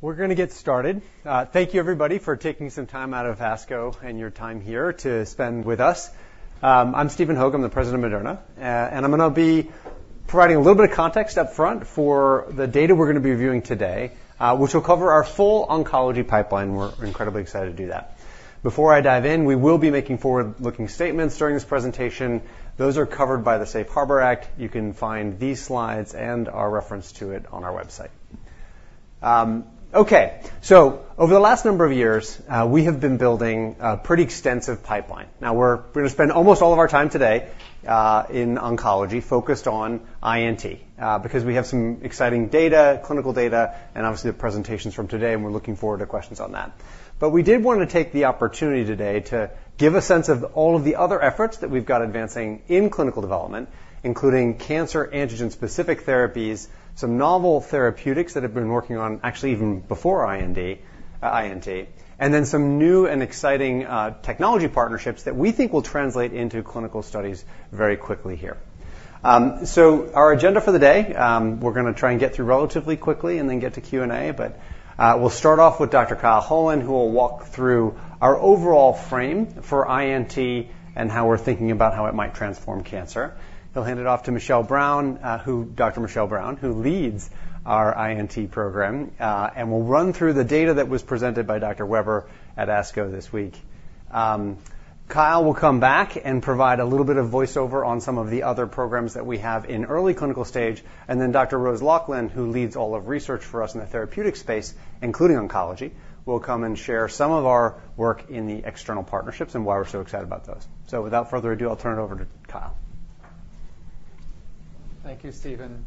We're gonna get started. Thank you, everybody, for taking some time out of ASCO and your time here to spend with us. I'm Stephen Hoge, I'm the President of Moderna, and I'm gonna be providing a little bit of context up front for the data we're gonna be reviewing today, which will cover our full oncology pipeline. We're incredibly excited to do that. Before I dive in, we will be making forward-looking statements during this presentation. Those are covered by the Safe Harbor Act. You can find these slides and our reference to it on our website. Over the last number of years, we have been building a pretty extensive pipeline. Now, we're gonna spend almost all of our time today in oncology, focused on INT, because we have some exciting data, clinical data, and obviously the presentations from today, and we're looking forward to questions on that. But we did wanna take the opportunity today to give a sense of all of the other efforts that we've got advancing in clinical development, including cancer antigen-specific therapies, some novel therapeutics that have been working on actually even before IND, INT, and then some new and exciting technology partnerships that we think will translate into clinical studies very quickly here. So our agenda for the day, we're gonna try and get through relatively quickly and then get to Q&A, but we'll start off with Dr. Kyle Holen, who will walk through our overall frame for INT and how we're thinking about how it might transform cancer. He'll hand it off to Michelle Brown, Dr. Michelle Brown, who leads our INT program, and will run through the data that was presented by Dr. Weber at ASCO this week. Kyle will come back and provide a little bit of voiceover on some of the other programs that we have in early clinical stage, and then Dr. Rose Loughlin, who leads all of research for us in the therapeutic space, including oncology, will come and share some of our work in the external partnerships and why we're so excited about those. So without further ado, I'll turn it over to Kyle. Thank you, Stephen.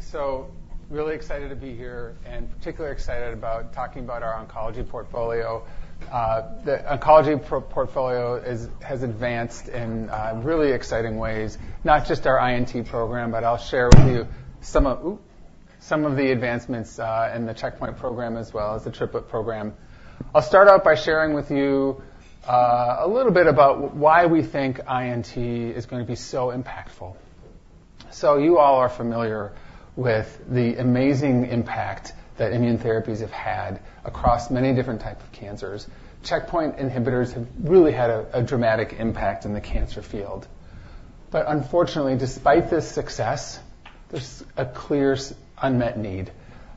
So really excited to be here and particularly excited about talking about our oncology portfolio. The oncology portfolio has advanced in really exciting ways, not just our INT program, but I'll share with you some of the advancements in the checkpoint program as well as the triplet program. I'll start out by sharing with you a little bit about why we think INT is gonna be so impactful. So you all are familiar with the amazing impact that immune therapies have had across many different types of cancers. Checkpoint inhibitors have really had a dramatic impact in the cancer field. But unfortunately, despite this success, there's a clear unmet need.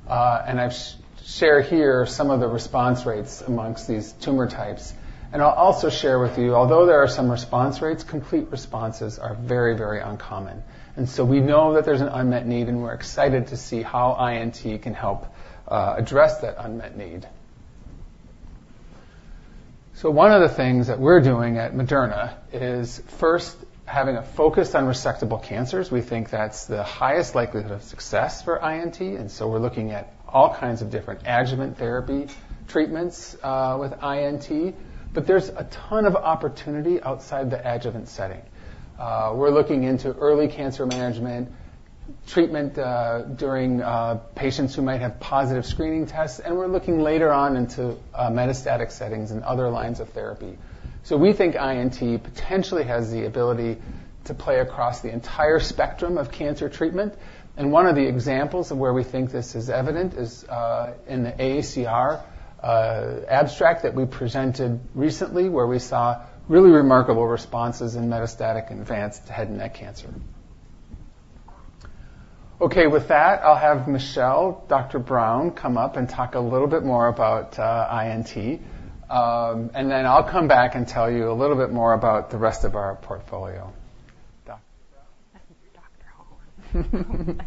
And I've shared here some of the response rates among these tumor types. I'll also share with you, although there are some response rates, complete responses are very, very uncommon, and so we know that there's an unmet need, and we're excited to see how INT can help address that unmet need. So one of the things that we're doing at Moderna is first, having a focus on resectable cancers. We think that's the highest likelihood of success for INT, and so we're looking at all kinds of different adjuvant therapy treatments with INT. But there's a ton of opportunity outside the adjuvant setting. We're looking into early cancer management, treatment during patients who might have positive screening tests, and we're looking later on into metastatic settings and other lines of therapy. So we think INT potentially has the ability to play across the entire spectrum of cancer treatment, and one of the examples of where we think this is evident is in the AACR abstract that we presented recently, where we saw really remarkable responses in metastatic and advanced head and neck cancer. Okay, with that, I'll have Michelle, Dr. Brown, come up and talk a little bit more about INT. And then I'll come back and tell you a little bit more about the rest of our portfolio. Dr. Brown? Dr. Brown.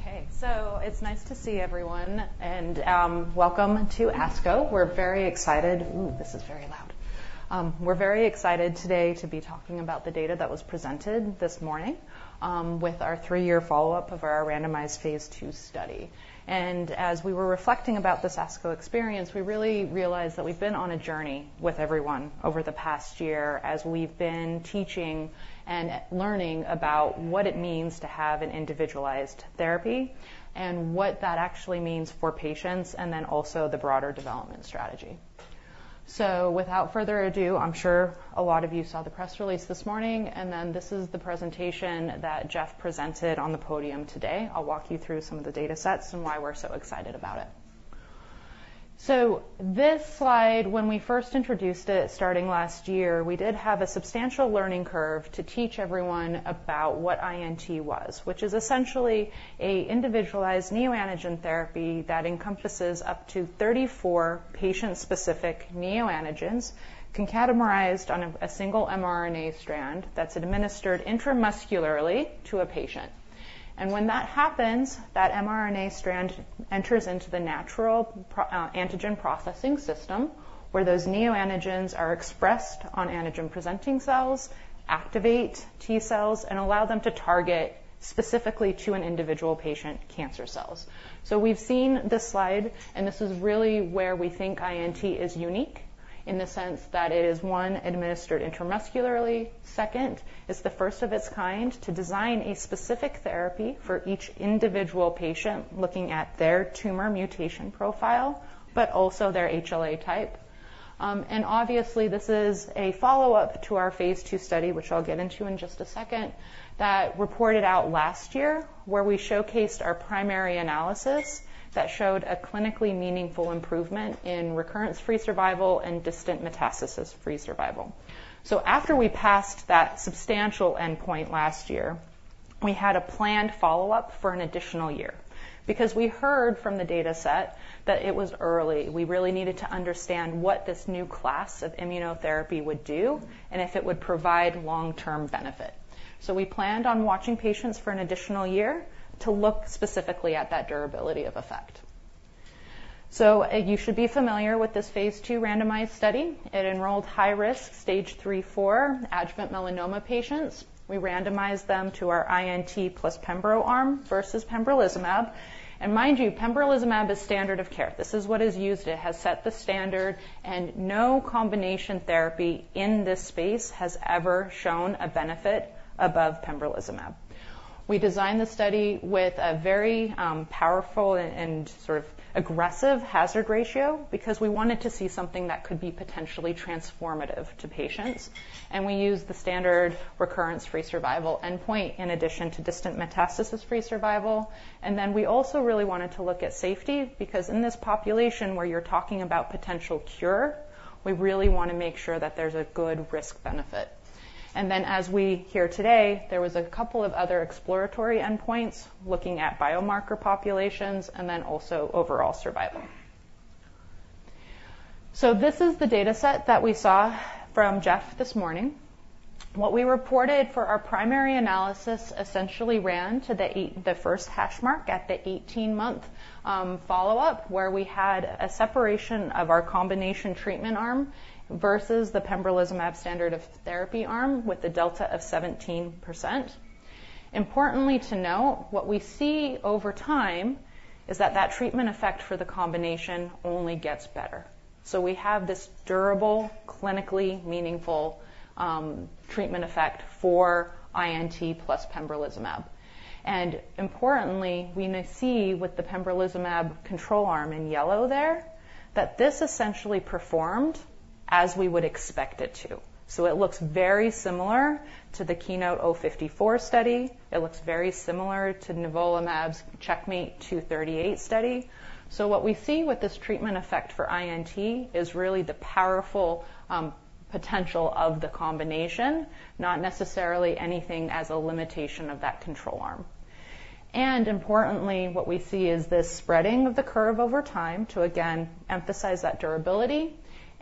Okay, so it's nice to see everyone, and, welcome to ASCO. We're very excited. Ooh, this is very loud. We're very excited today to be talking about the data that was presented this morning with our three-year follow-up of our randomized phase II study. And as we were reflecting about this ASCO experience, we really realized that we've been on a journey with everyone over the past year as we've been teaching and learning about what it means to have an individualized therapy and what that actually means for patients, and then also the broader development strategy. So without further ado, I'm sure a lot of you saw the press release this morning, and then this is the presentation that Jeff presented on the podium today. I'll walk you through some of the datasets and why we're so excited about it. So this slide, when we first introduced it starting last year, we did have a substantial learning curve to teach everyone about what INT was, which is essentially an individualized neoantigen therapy that encompasses up to 34 patient-specific neoantigens, concatemerized on a single mRNA strand that's administered intramuscularly to a patient. And when that happens, that mRNA strand enters into the natural processing system, where those neoantigens are expressed on antigen-presenting cells, activate T-cells, and allow them to target specifically to an individual patient cancer cells. So we've seen this slide, and this is really where we think INT is unique, in the sense that it is, one, administered intramuscularly. Second, it's the first of its kind to design a specific therapy for each individual patient, looking at their tumor mutation profile, but also their HLA type. And obviously, this is a follow-up to our phase II study, which I'll get into in just a second, that reported out last year, where we showcased our primary analysis that showed a clinically meaningful improvement in recurrence-free survival and distant metastasis-free survival. So after we passed that substantial endpoint last year, we had a planned follow-up for an additional year because we heard from the data set that it was early. We really needed to understand what this new class of immunotherapy would do and if it would provide long-term benefit. So we planned on watching patients for an additional year to look specifically at that durability of effect. So, you should be familiar with this phase 2 randomized study. It enrolled high-risk stage 3, 4 adjuvant melanoma patients. We randomized them to our INT plus pembro arm versus pembrolizumab. Mind you, pembrolizumab is standard of care. This is what is used. It has set the standard, and no combination therapy in this space has ever shown a benefit above pembrolizumab. We designed the study with a very powerful and sort of aggressive hazard ratio because we wanted to see something that could be potentially transformative to patients, and we used the standard recurrence-free survival endpoint in addition to distant metastasis-free survival. Then we also really wanted to look at safety, because in this population where you're talking about potential cure, we really want to make sure that there's a good risk-benefit. Then, as we hear today, there was a couple of other exploratory endpoints looking at biomarker populations and then also overall survival. So this is the data set that we saw from Jeff this morning. What we reported for our primary analysis essentially ran to the first hash mark at the 18-month follow-up, where we had a separation of our combination treatment arm versus the pembrolizumab standard of therapy arm with a delta of 17%. Importantly to note, what we see over time is that that treatment effect for the combination only gets better. So we have this durable, clinically meaningful treatment effect for INT plus pembrolizumab. And importantly, we now see with the pembrolizumab control arm in yellow there, that this essentially performed as we would expect it to. So it looks very similar to the KEYNOTE-054 study. It looks very similar to nivolumab's CheckMate 238 study. So what we see with this treatment effect for INT is really the powerful potential of the combination, not necessarily anything as a limitation of that control arm. Importantly, what we see is this spreading of the curve over time to, again, emphasize that durability.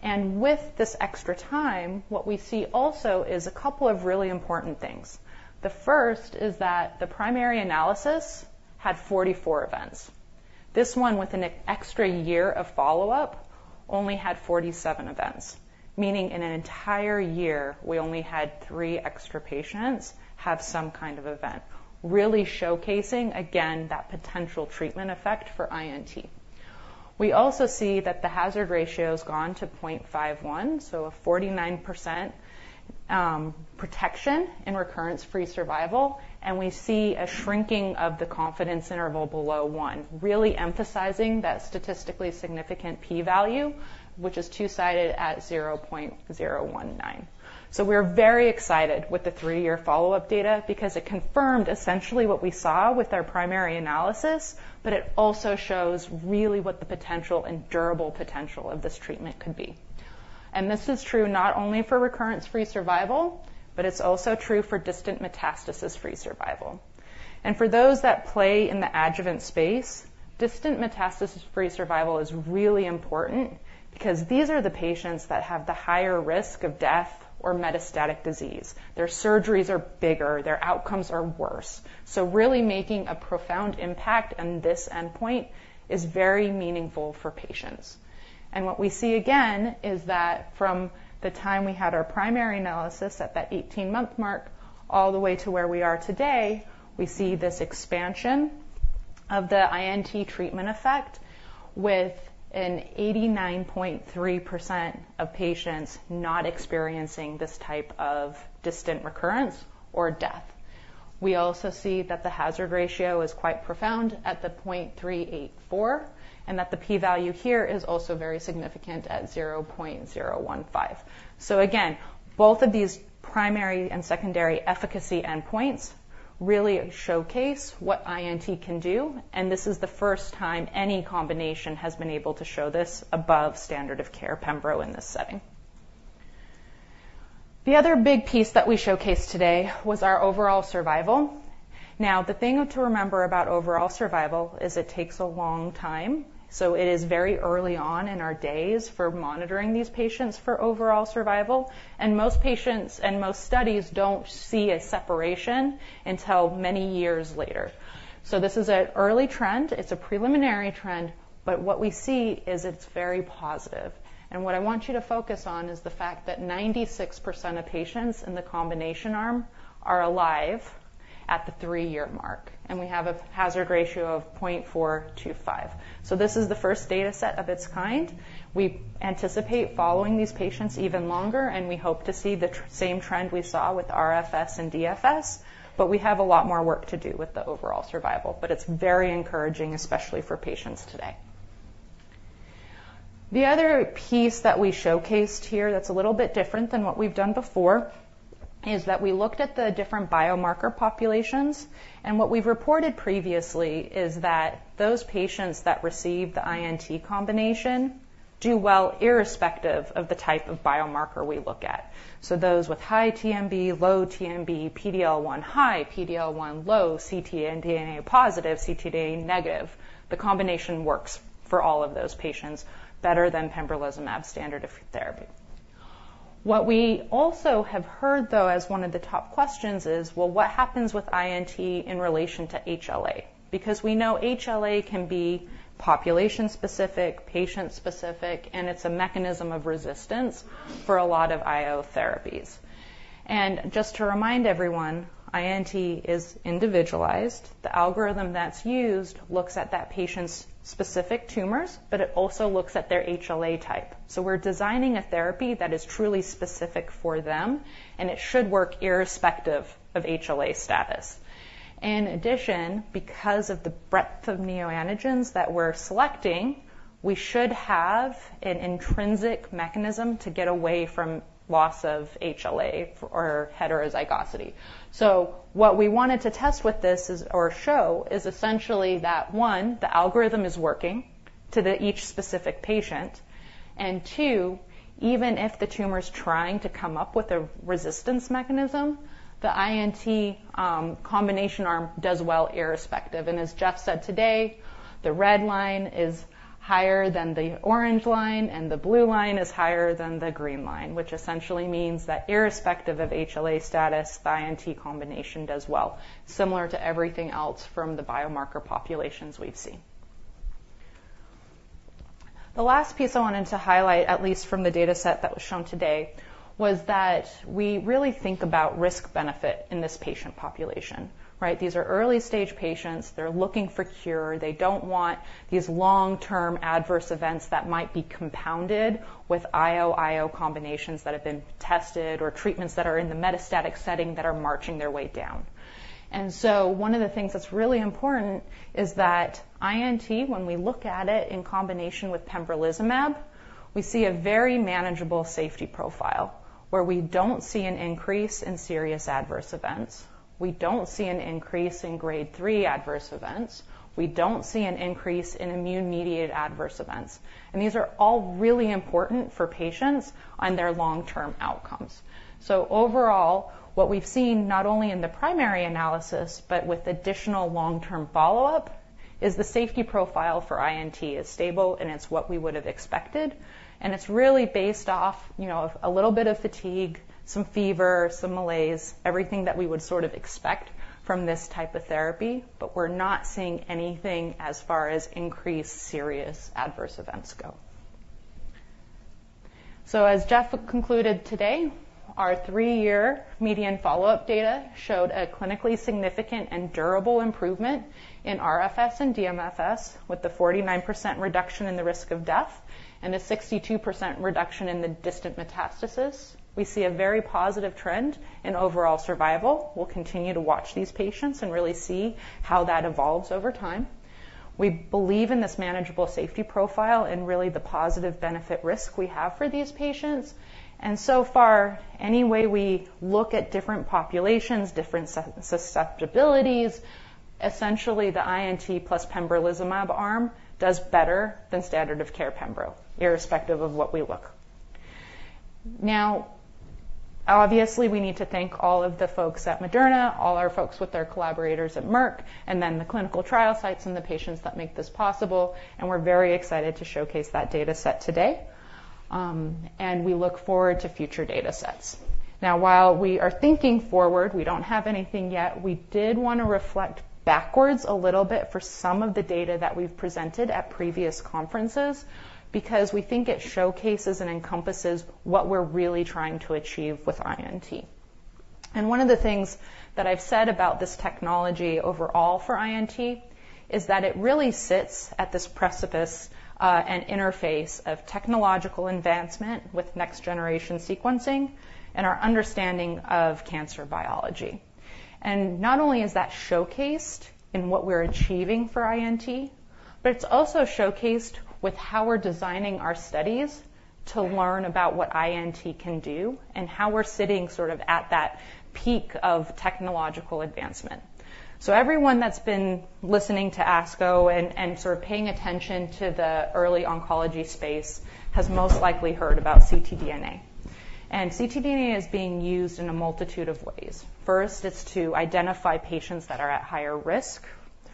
And with this extra time, what we see also is a couple of really important things. The first is that the primary analysis had 44 events. This one, with an extra year of follow-up, only had 47 events, meaning in an entire year, we only had three extra patients have some kind of event, really showcasing, again, that potential treatment effect for INT. We also see that the hazard ratio has gone to 0.51, so a 49% protection in recurrence-free survival, and we see a shrinking of the confidence interval below one, really emphasizing that statistically significant p-value, which is two-sided at 0.019. So we're very excited with the three-year follow-up data because it confirmed essentially what we saw with our primary analysis, but it also shows really what the potential and durable potential of this treatment could be. And this is true not only for recurrence-free survival, but it's also true for distant metastasis-free survival. And for those that play in the adjuvant space, distant metastasis-free survival is really important because these are the patients that have the higher risk of death or metastatic disease. Their surgeries are bigger, their outcomes are worse. So really making a profound impact on this endpoint is very meaningful for patients. What we see again is that from the time we had our primary analysis at that 18-month mark, all the way to where we are today, we see this expansion of the INT treatment effect with 89.3% of patients not experiencing this type of distant recurrence or death. We also see that the hazard ratio is quite profound at 0.384, and that the p-value here is also very significant at 0.015. So again, both of these primary and secondary efficacy endpoints really showcase what INT can do, and this is the first time any combination has been able to show this above standard of care pembro in this setting. The other big piece that we showcased today was our overall survival. Now, the thing to remember about overall survival is it takes a long time, so it is very early on in our days for monitoring these patients for overall survival, and most patients and most studies don't see a separation until many years later. So this is an early trend, it's a preliminary trend, but what we see is it's very positive. And what I want you to focus on is the fact that 96% of patients in the combination arm are alive at the 3-year mark, and we have a hazard ratio of 0.425. So this is the first data set of its kind. We anticipate following these patients even longer, and we hope to see the same trend we saw with RFS and DFS, but we have a lot more work to do with the overall survival, but it's very encouraging, especially for patients today. The other piece that we showcased here that's a little bit different than what we've done before is that we looked at the different biomarker populations, and what we've reported previously is that those patients that received the INT combination do well irrespective of the type of biomarker we look at. So those with high TMB, low TMB, PD-L1 high, PD-L1 low, ctDNA positive, ctDNA negative, the combination works for all of those patients better than pembrolizumab standard of therapy. What we also have heard, though, as one of the top questions is, well, what happens with INT in relation to HLA? Because we know HLA can be population-specific, patient-specific, and it's a mechanism of resistance for a lot of IO therapies. Just to remind everyone, INT is individualized. The algorithm that's used looks at that patient's specific tumors, but it also looks at their HLA type. We're designing a therapy that is truly specific for them, and it should work irrespective of HLA status. In addition, because of the breadth of neoantigens that we're selecting, we should have an intrinsic mechanism to get away from loss of HLA or heterozygosity. What we wanted to test with this, or show, is essentially that, one, the algorithm is working to each specific patient, and two, even if the tumor is trying to come up with a resistance mechanism, the INT combination arm does well irrespective. As Jeff said today, the red line is higher than the orange line, and the blue line is higher than the green line, which essentially means that irrespective of HLA status, the INT combination does well, similar to everything else from the biomarker populations we've seen. The last piece I wanted to highlight, at least from the dataset that was shown today, was that we really think about risk-benefit in this patient population, right? These are early-stage patients. They're looking for a cure. They don't want these long-term adverse events that might be compounded with IO/IO combinations that have been tested or treatments that are in the metastatic setting that are marching their way down. One of the things that's really important is that INT, when we look at it in combination with pembrolizumab, we see a very manageable safety profile where we don't see an increase in serious adverse events, we don't see an increase in Grade 3 adverse events, we don't see an increase in immune-mediated adverse events. These are all really important for patients on their long-term outcomes. Overall, what we've seen, not only in the primary analysis but with additional long-term follow-up, is the safety profile for INT is stable, and it's what we would have expected. It's really based off, you know, a little bit of fatigue, some fever, some malaise, everything that we would sort of expect from this type of therapy, but we're not seeing anything as far as increased serious adverse events go. So as Jeff concluded today, our 3-year median follow-up data showed a clinically significant and durable improvement in RFS and DMFS, with the 49% reduction in the risk of death and a 62% reduction in the distant metastasis. We see a very positive trend in overall survival. We'll continue to watch these patients and really see how that evolves over time. We believe in this manageable safety profile and really the positive benefit-risk we have for these patients, and so far, any way we look at different populations, different susceptibility, essentially, the INT plus pembrolizumab arm does better than standard of care pembro, irrespective of what we look. Now, obviously, we need to thank all of the folks at Moderna, all our folks with our collaborators at Merck, and then the clinical trial sites and the patients that make this possible, and we're very excited to showcase that dataset today, and we look forward to future datasets. Now, while we are thinking forward, we don't have anything yet. We did wanna reflect backwards a little bit for some of the data that we've presented at previous conferences because we think it showcases and encompasses what we're really trying to achieve with INT. One of the things that I've said about this technology overall for INT is that it really sits at this precipice and interface of technological advancement with next-generation sequencing and our understanding of cancer biology. And not only is that showcased in what we're achieving for INT, but it's also showcased with how we're designing our studies to learn about what INT can do and how we're sitting sort of at that peak of technological advancement. So everyone that's been listening to ASCO and sort of paying attention to the early oncology space has most likely heard about ctDNA, and ctDNA is being used in a multitude of ways. First, it's to identify patients that are at higher risk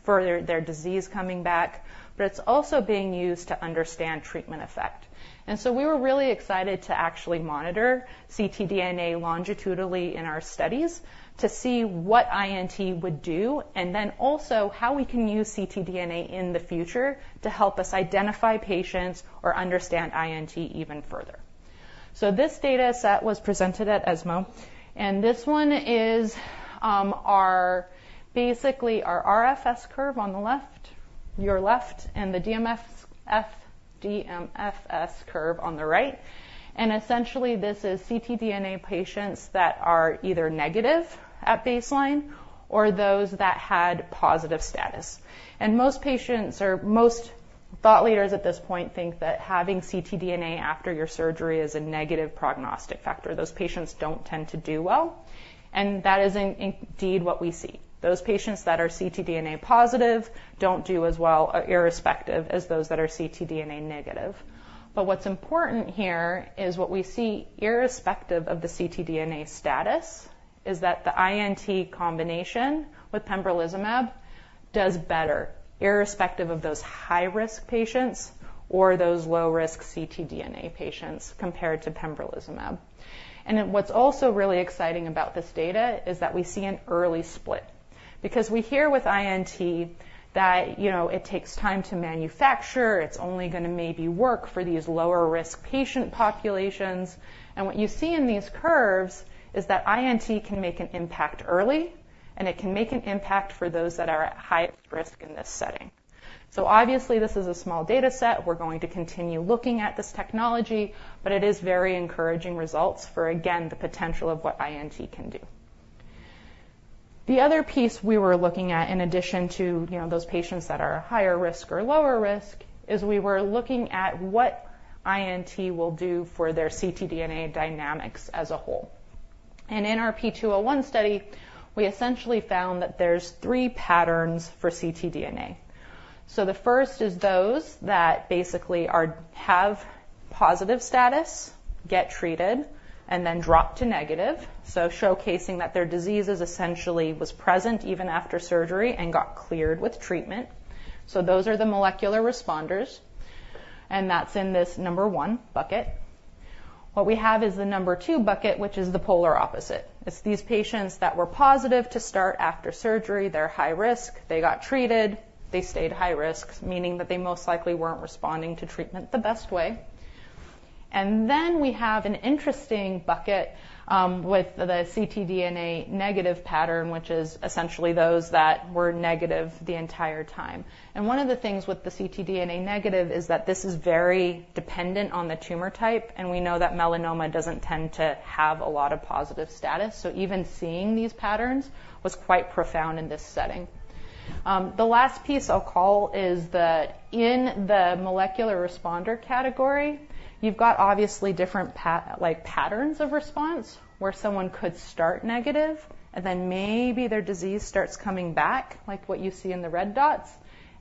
for their disease coming back, but it's also being used to understand treatment effect. And so we were really excited to actually monitor ctDNA longitudinally in our studies to see what INT would do, and then also how we can use ctDNA in the future to help us identify patients or understand INT even further. So this dataset was presented at ESMO, and this one is basically our RFS curve on the left, your left, and the DMFS curve on the right. And essentially, this is ctDNA patients that are either negative at baseline or those that had positive status. And most patients or most thought leaders at this point think that having ctDNA after your surgery is a negative prognostic factor. Those patients don't tend to do well, and that is indeed what we see. Those patients that are ctDNA positive don't do as well as those that are ctDNA negative. But what's important here is what we see irrespective of the ctDNA status, is that the INT combination with pembrolizumab does better irrespective of those high-risk patients or those low-risk ctDNA patients compared to pembrolizumab. And then what's also really exciting about this data is that we see an early split. Because we hear with INT that, you know, it takes time to manufacture, it's only gonna maybe work for these lower-risk patient populations. And what you see in these curves is that INT can make an impact early, and it can make an impact for those that are at highest risk in this setting. So obviously, this is a small data set. We're going to continue looking at this technology, but it is very encouraging results for, again, the potential of what INT can do. The other piece we were looking at, in addition to, you know, those patients that are higher risk or lower risk, is we were looking at what INT will do for their ctDNA dynamics as a whole. In our P201 study, we essentially found that there's three patterns for ctDNA. The first is those that basically have positive status, get treated, and then drop to negative, so showcasing that their disease is essentially was present even after surgery and got cleared with treatment. Those are the molecular responders, and that's in this number one bucket. What we have is the number two bucket, which is the polar opposite. It's these patients that were positive to start after surgery. They're high risk. They got treated. They stayed high risk, meaning that they most likely weren't responding to treatment the best way. Then we have an interesting bucket with the ctDNA negative pattern, which is essentially those that were negative the entire time. And one of the things with the ctDNA negative is that this is very dependent on the tumor type, and we know that melanoma doesn't tend to have a lot of positive status, so even seeing these patterns was quite profound in this setting. The last piece I'll call is the, in the molecular responder category, you've got obviously different like, patterns of response, where someone could start negative, and then maybe their disease starts coming back, like what you see in the red dots,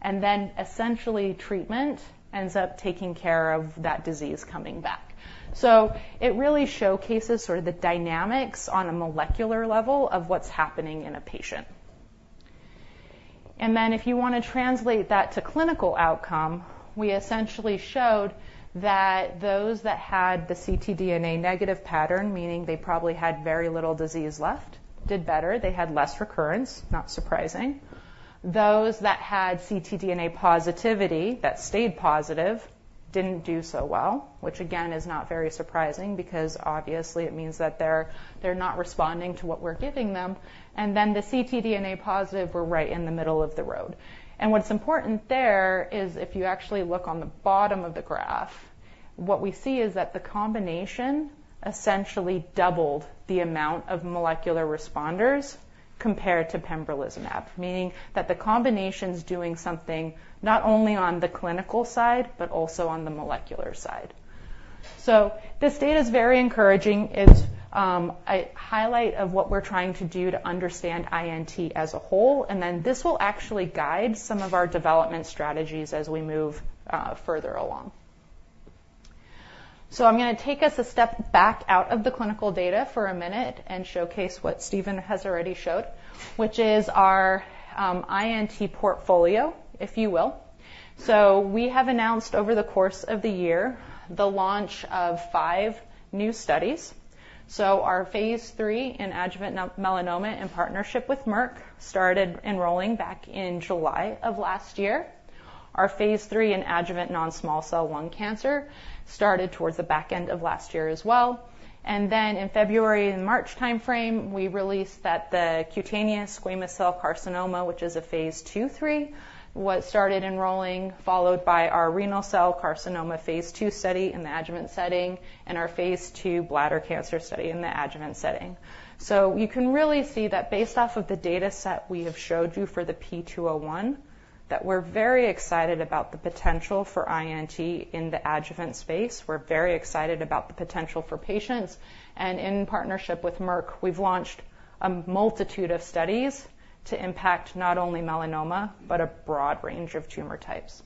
and then essentially treatment ends up taking care of that disease coming back. So it really showcases sort of the dynamics on a molecular level of what's happening in a patient. And then if you wanna translate that to clinical outcome, we essentially showed that those that had the ctDNA negative pattern, meaning they probably had very little disease left, did better. They had less recurrence, not surprising. Those that had ctDNA positivity, that stayed positive, didn't do so well, which again, is not very surprising because obviously it means that they're not responding to what we're giving them. And then the ctDNA positive were right in the middle of the road. And what's important there is if you actually look on the bottom of the graph, what we see is that the combination essentially doubled the amount of molecular responders compared to pembrolizumab, meaning that the combination's doing something not only on the clinical side, but also on the molecular side. So this data is very encouraging. It's a highlight of what we're trying to do to understand INT as a whole, and then this will actually guide some of our development strategies as we move further along. So I'm gonna take us a step back out of the clinical data for a minute and showcase what Stephen has already showed, which is our INT portfolio, if you will. So we have announced over the course of the year, the launch of 5 new studies. So our phase 3 in adjuvant melanoma in partnership with Merck, started enrolling back in July of last year. Our phase 3 in adjuvant non-small cell lung cancer started towards the back end of last year as well. And then in February and March timeframe, we released that the cutaneous squamous cell carcinoma, which is a phase II-III, started enrolling, followed by our renal cell carcinoma phase 2 study in the adjuvant setting and our phase 2 bladder cancer study in the adjuvant setting. So you can really see that based off of the dataset we have showed you for the P201, that we're very excited about the potential for INT in the adjuvant space. We're very excited about the potential for patients, and in partnership with Merck, we've launched a multitude of studies to impact not only melanoma, but a broad range of tumor types.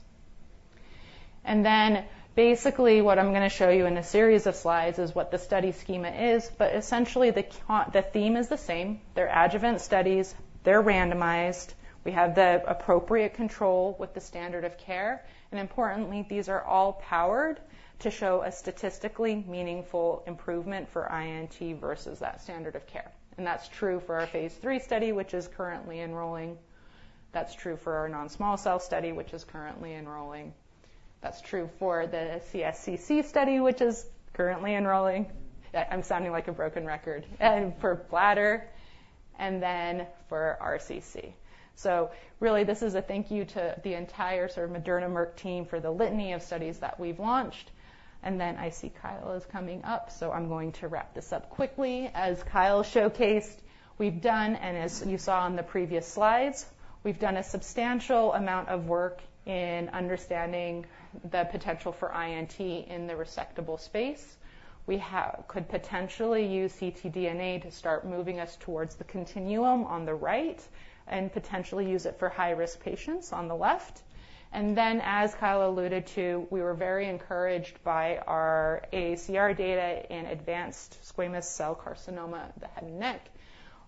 And then, basically, what I'm gonna show you in a series of slides is what the study schema is, but essentially, the theme is the same. They're adjuvant studies, they're randomized, we have the appropriate control with the standard of care, and importantly, these are all powered to show a statistically meaningful improvement for INT versus that standard of care. And that's true for our phase III study, which is currently enrolling. That's true for our non-small cell study, which is currently enrolling. That's true for the CSCC study, which is currently enrolling. I'm sounding like a broken record. And for bladder and then for RCC. So really, this is a thank you to the entire sort of Moderna Merck team for the litany of studies that we've launched, and then I see Kyle is coming up, so I'm going to wrap this up quickly. As Kyle showcased, we've done, and as you saw on the previous slides, we've done a substantial amount of work in understanding the potential for INT in the resectable space. We have could potentially use ctDNA to start moving us towards the continuum on the right, and potentially use it for high-risk patients on the left. And then, as Kyle alluded to, we were very encouraged by our AACR data in advanced squamous cell carcinoma of the head and neck,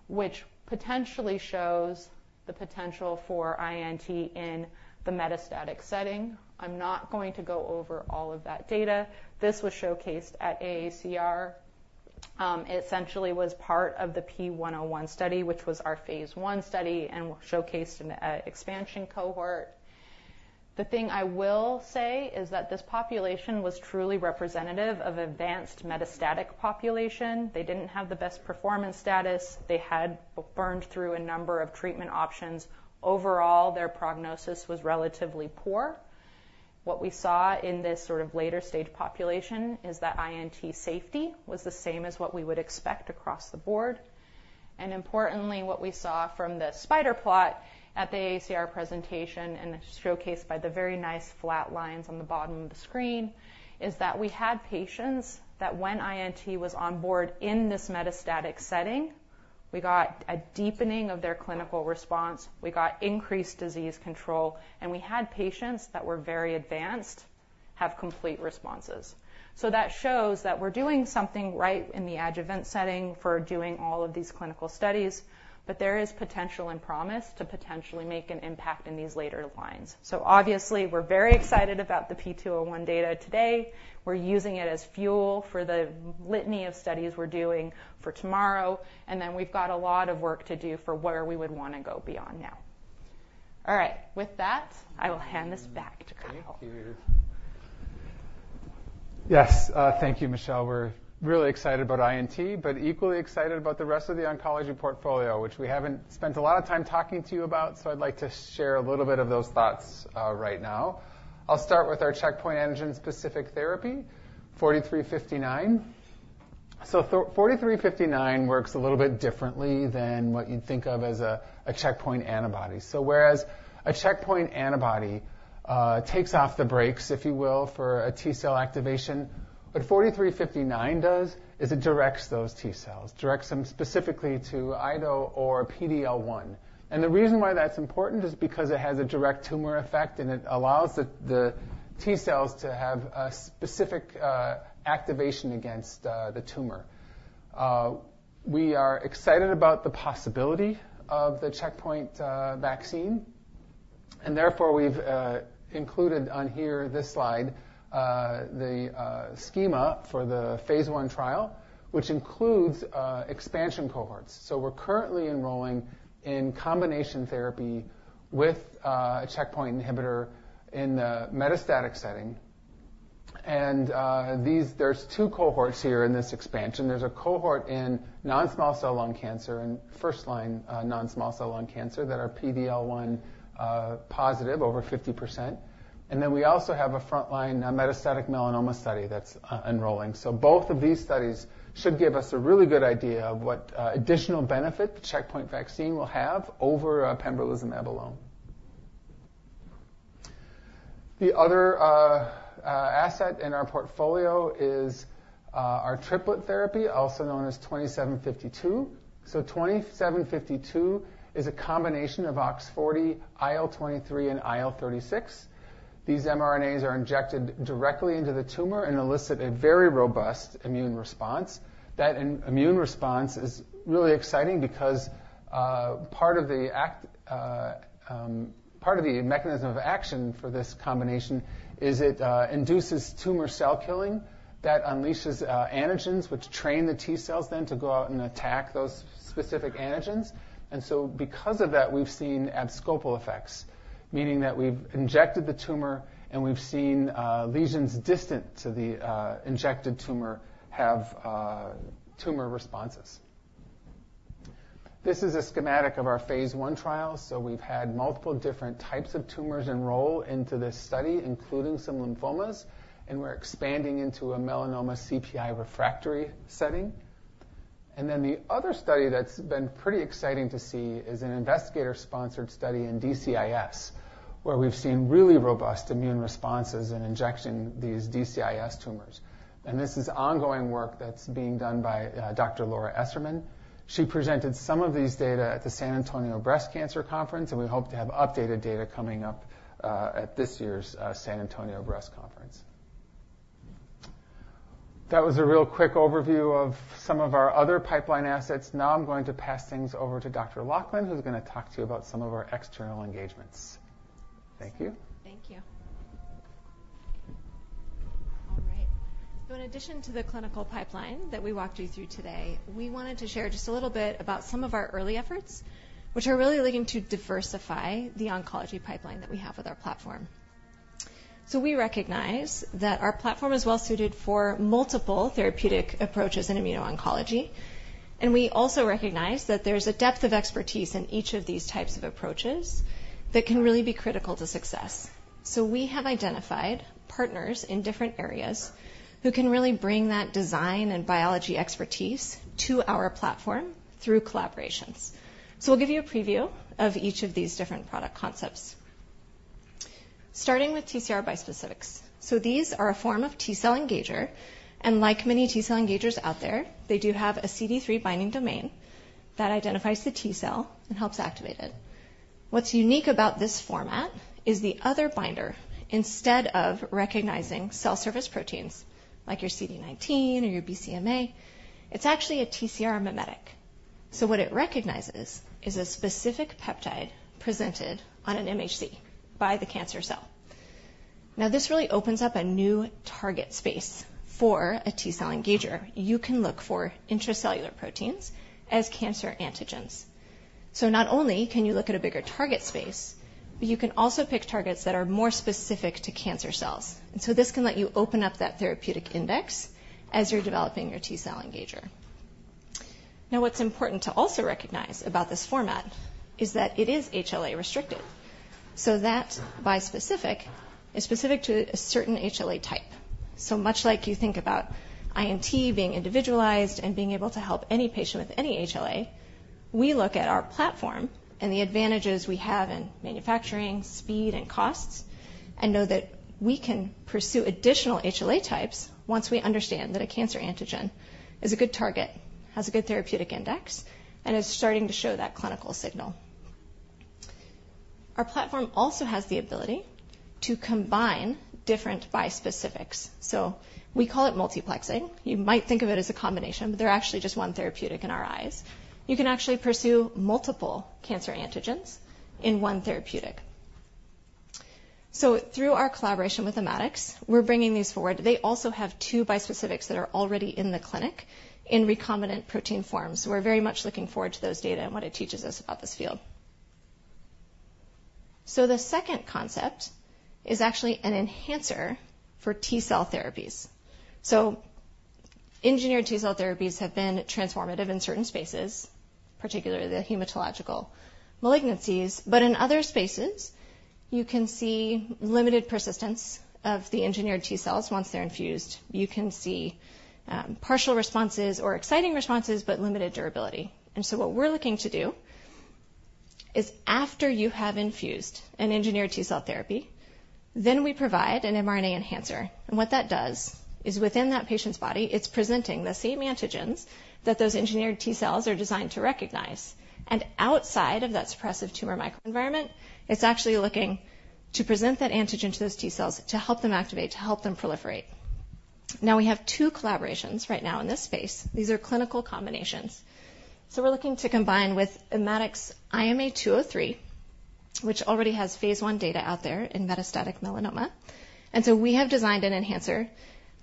which potentially shows the potential for INT in the metastatic setting. I'm not going to go over all of that data. This was showcased at AACR. It essentially was part of the P101 study, which was our phase 1 study and showcased an expansion cohort. The thing I will say is that this population was truly representative of advanced metastatic population. They didn't have the best performance status. They had burned through a number of treatment options. Overall, their prognosis was relatively poor. What we saw in this sort of later stage population is that INT safety was the same as what we would expect across the board. Importantly, what we saw from the spider plot at the AACR presentation, and showcased by the very nice flat lines on the bottom of the screen, is that we had patients that when INT was on board in this metastatic setting, we got a deepening of their clinical response, we got increased disease control, and we had patients that were very advanced, have complete responses. So that shows that we're doing something right in the adjuvant setting for doing all of these clinical studies, but there is potential and promise to potentially make an impact in these later lines. So obviously, we're very excited about the P201 data today. We're using it as fuel for the litany of studies we're doing for tomorrow, and then we've got a lot of work to do for where we would wanna go beyond now. All right, with that, I will hand this back to Kyle. Thank you. Yes, thank you, Michelle. We're really excited about INT, but equally excited about the rest of the oncology portfolio, which we haven't spent a lot of time talking to you about, so I'd like to share a little bit of those thoughts, right now. I'll start with our checkpoint engine-specific therapy, 4359. So 4359 works a little bit differently than what you'd think of as a checkpoint antibody. So whereas a checkpoint antibody takes off the brakes, if you will, for a T cell activation, what 4359 does is it directs those T cells, directs them specifically to IDO or PD-L1. And the reason why that's important is because it has a direct tumor effect, and it allows the T cells to have a specific activation against the tumor. We are excited about the possibility of the checkpoint vaccine, and therefore, we've included on here this slide, the schema for the phase 1 trial, which includes expansion cohorts. So we're currently enrolling in combination therapy with a checkpoint inhibitor in the metastatic setting. And these, there's two cohorts here in this expansion. There's a cohort in non-small cell lung cancer and first-line non-small cell lung cancer that are PD-L1 positive, over 50%. And then we also have a frontline metastatic melanoma study that's enrolling. So both of these studies should give us a really good idea of what additional benefit the checkpoint vaccine will have over pembrolizumab alone. The other asset in our portfolio is our triplet therapy, also known as mRNA-2752. So 2752 is a combination of OX40, IL-23, and IL-36. These mRNAs are injected directly into the tumor and elicit a very robust immune response. That immune response is really exciting because part of the mechanism of action for this combination is it induces tumor cell killing that unleashes antigens, which train the T cells then to go out and attack those specific antigens. And so because of that, we've seen abscopal effects, meaning that we've injected the tumor, and we've seen lesions distant to the injected tumor have tumor responses. This is a schematic of our phase 1 trial, so we've had multiple different types of tumors enroll into this study, including some lymphomas, and we're expanding into a melanoma CPI refractory setting. And then the other study that's been pretty exciting to see is an investigator-sponsored study in DCIS, where we've seen really robust immune responses in injecting these DCIS tumors. And this is ongoing work that's being done by, Dr. Laura Esserman. She presented some of these data at the San Antonio Breast Cancer Conference, and we hope to have updated data coming up, at this year's, San Antonio Breast Conference. That was a real quick overview of some of our other pipeline assets. Now I'm going to pass things over to Dr. Loughlin, who's gonna talk to you about some of our external engagements. Thank you. Thank you. All right. In addition to the clinical pipeline that we walked you through today, we wanted to share just a little bit about some of our early efforts, which are really looking to diversify the oncology pipeline that we have with our platform. So we recognize that our platform is well suited for multiple therapeutic approaches in immuno-oncology, and we also recognize that there's a depth of expertise in each of these types of approaches that can really be critical to success. So we have identified partners in different areas who can really bring that design and biology expertise to our platform through collaborations. So we'll give you a preview of each of these different product concepts. Starting with TCR bispecifics. So these are a form of T cell engager, and like many T cell engagers out there, they do have a CD3 binding domain that identifies the T cell and helps activate it. What's unique about this format is the other binder. Instead of recognizing cell surface proteins, like your CD19 or your BCMA, it's actually a TCR mimetic. So what it recognizes is a specific peptide presented on an MHC by the cancer cell. Now, this really opens up a new target space for a T cell engager. You can look for intracellular proteins as cancer antigens. So not only can you look at a bigger target space, but you can also pick targets that are more specific to cancer cells. And so this can let you open up that therapeutic index as you're developing your T cell engager. Now, what's important to also recognize about this format is that it is HLA restricted, so that bispecific is specific to a certain HLA type. So much like you think about INT being individualized and being able to help any patient with any HLA, we look at our platform and the advantages we have in manufacturing, speed, and costs, and know that we can pursue additional HLA types once we understand that a cancer antigen is a good target, has a good therapeutic index, and is starting to show that clinical signal. Our platform also has the ability to combine different bispecifics, so we call it multiplexing. You might think of it as a combination, but they're actually just one therapeutic in our eyes. You can actually pursue multiple cancer antigens in one therapeutic. So through our collaboration with Immatics, we're bringing these forward. They also have two bispecifics that are already in the clinic in recombinant protein form, so we're very much looking forward to those data and what it teaches us about this field. So the second concept is actually an enhancer for T cell therapies. So engineered T cell therapies have been transformative in certain spaces, particularly the hematological malignancies, but in other spaces, you can see limited persistence of the engineered T cells once they're infused. You can see, partial responses or exciting responses, but limited durability. And so what we're looking to do is, after you have infused an engineered T cell therapy, then we provide an mRNA enhancer. And what that does is, within that patient's body, it's presenting the same antigens that those engineered T cells are designed to recognize. And outside of that suppressive tumor microenvironment, it's actually looking to present that antigen to those T cells to help them activate, to help them proliferate. Now, we have two collaborations right now in this space. These are clinical combinations. So we're looking to combine with Immatics IMA203, which already has phase 1 data out there in metastatic melanoma. And so we have designed an enhancer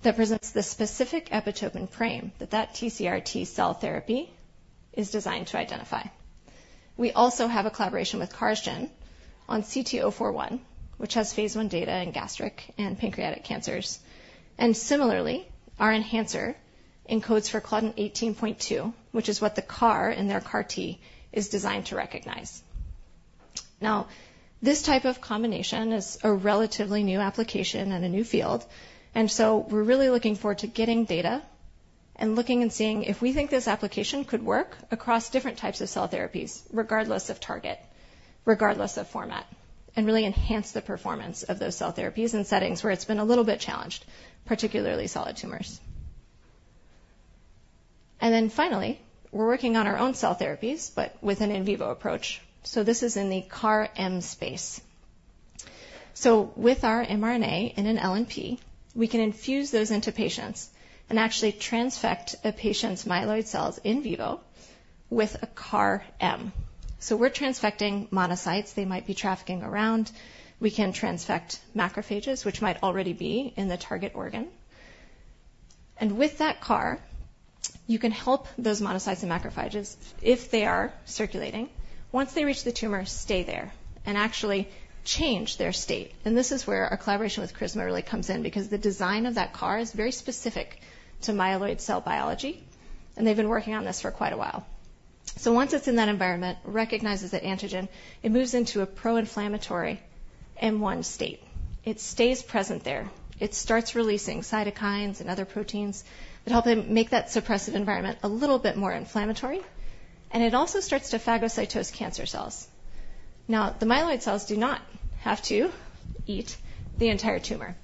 that presents the specific epitope and frame that that TCR T cell therapy is designed to identify. We also have a collaboration with CARsgen on CT041, which has phase 1 data in gastric and pancreatic cancers. And similarly, our enhancer encodes for claudin 18.2, which is what the CAR in their CAR T is designed to recognize. Now, this type of combination is a relatively new application and a new field, and so we're really looking forward to getting data and looking and seeing if we think this application could work across different types of cell therapies, regardless of target, regardless of format, and really enhance the performance of those cell therapies in settings where it's been a little bit challenged, particularly solid tumors. And then finally, we're working on our own cell therapies, but with an in vivo approach. So this is in the CAR-M space. So with our mRNA in an LNP, we can infuse those into patients and actually transfect a patient's myeloid cells in vivo with a CAR-M. So we're transfecting monocytes they might be trafficking around. We can transfect macrophages, which might already be in the target organ. With that CAR, you can help those monocytes and macrophages if they are circulating, once they reach the tumor, stay there and actually change their state. This is where our collaboration with Carisma really comes in, because the design of that CAR is very specific to myeloid cell biology, and they've been working on this for quite a while. Once it's in that environment, recognizes that antigen, it moves into a pro-inflammatory M1 state. It stays present there. It starts releasing cytokines and other proteins that help it make that suppressive environment a little bit more inflammatory, and it also starts to phagocytose cancer cells. Now, the myeloid cells do not have to eat the entire tumor,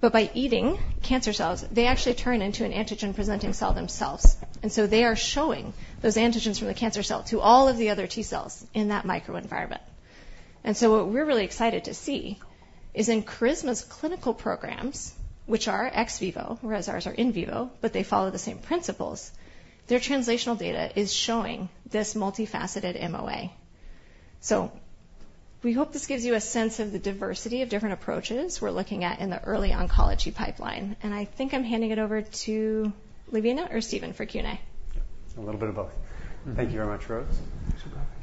but by eating cancer cells, they actually turn into an antigen-presenting cell themselves, and so they are showing those antigens from the cancer cell to all of the other T cells in that microenvironment. And so what we're really excited to see is in Carisma's clinical programs, which are ex vivo, whereas ours are in vivo, but they follow the same principles, their translational data is showing this multifaceted MOA. So we hope this gives you a sense of the diversity of different approaches we're looking at in the early oncology pipeline. And I think I'm handing it over to Lavina or Stephen for Q&A. A little bit of both. Thank you very much, Rose.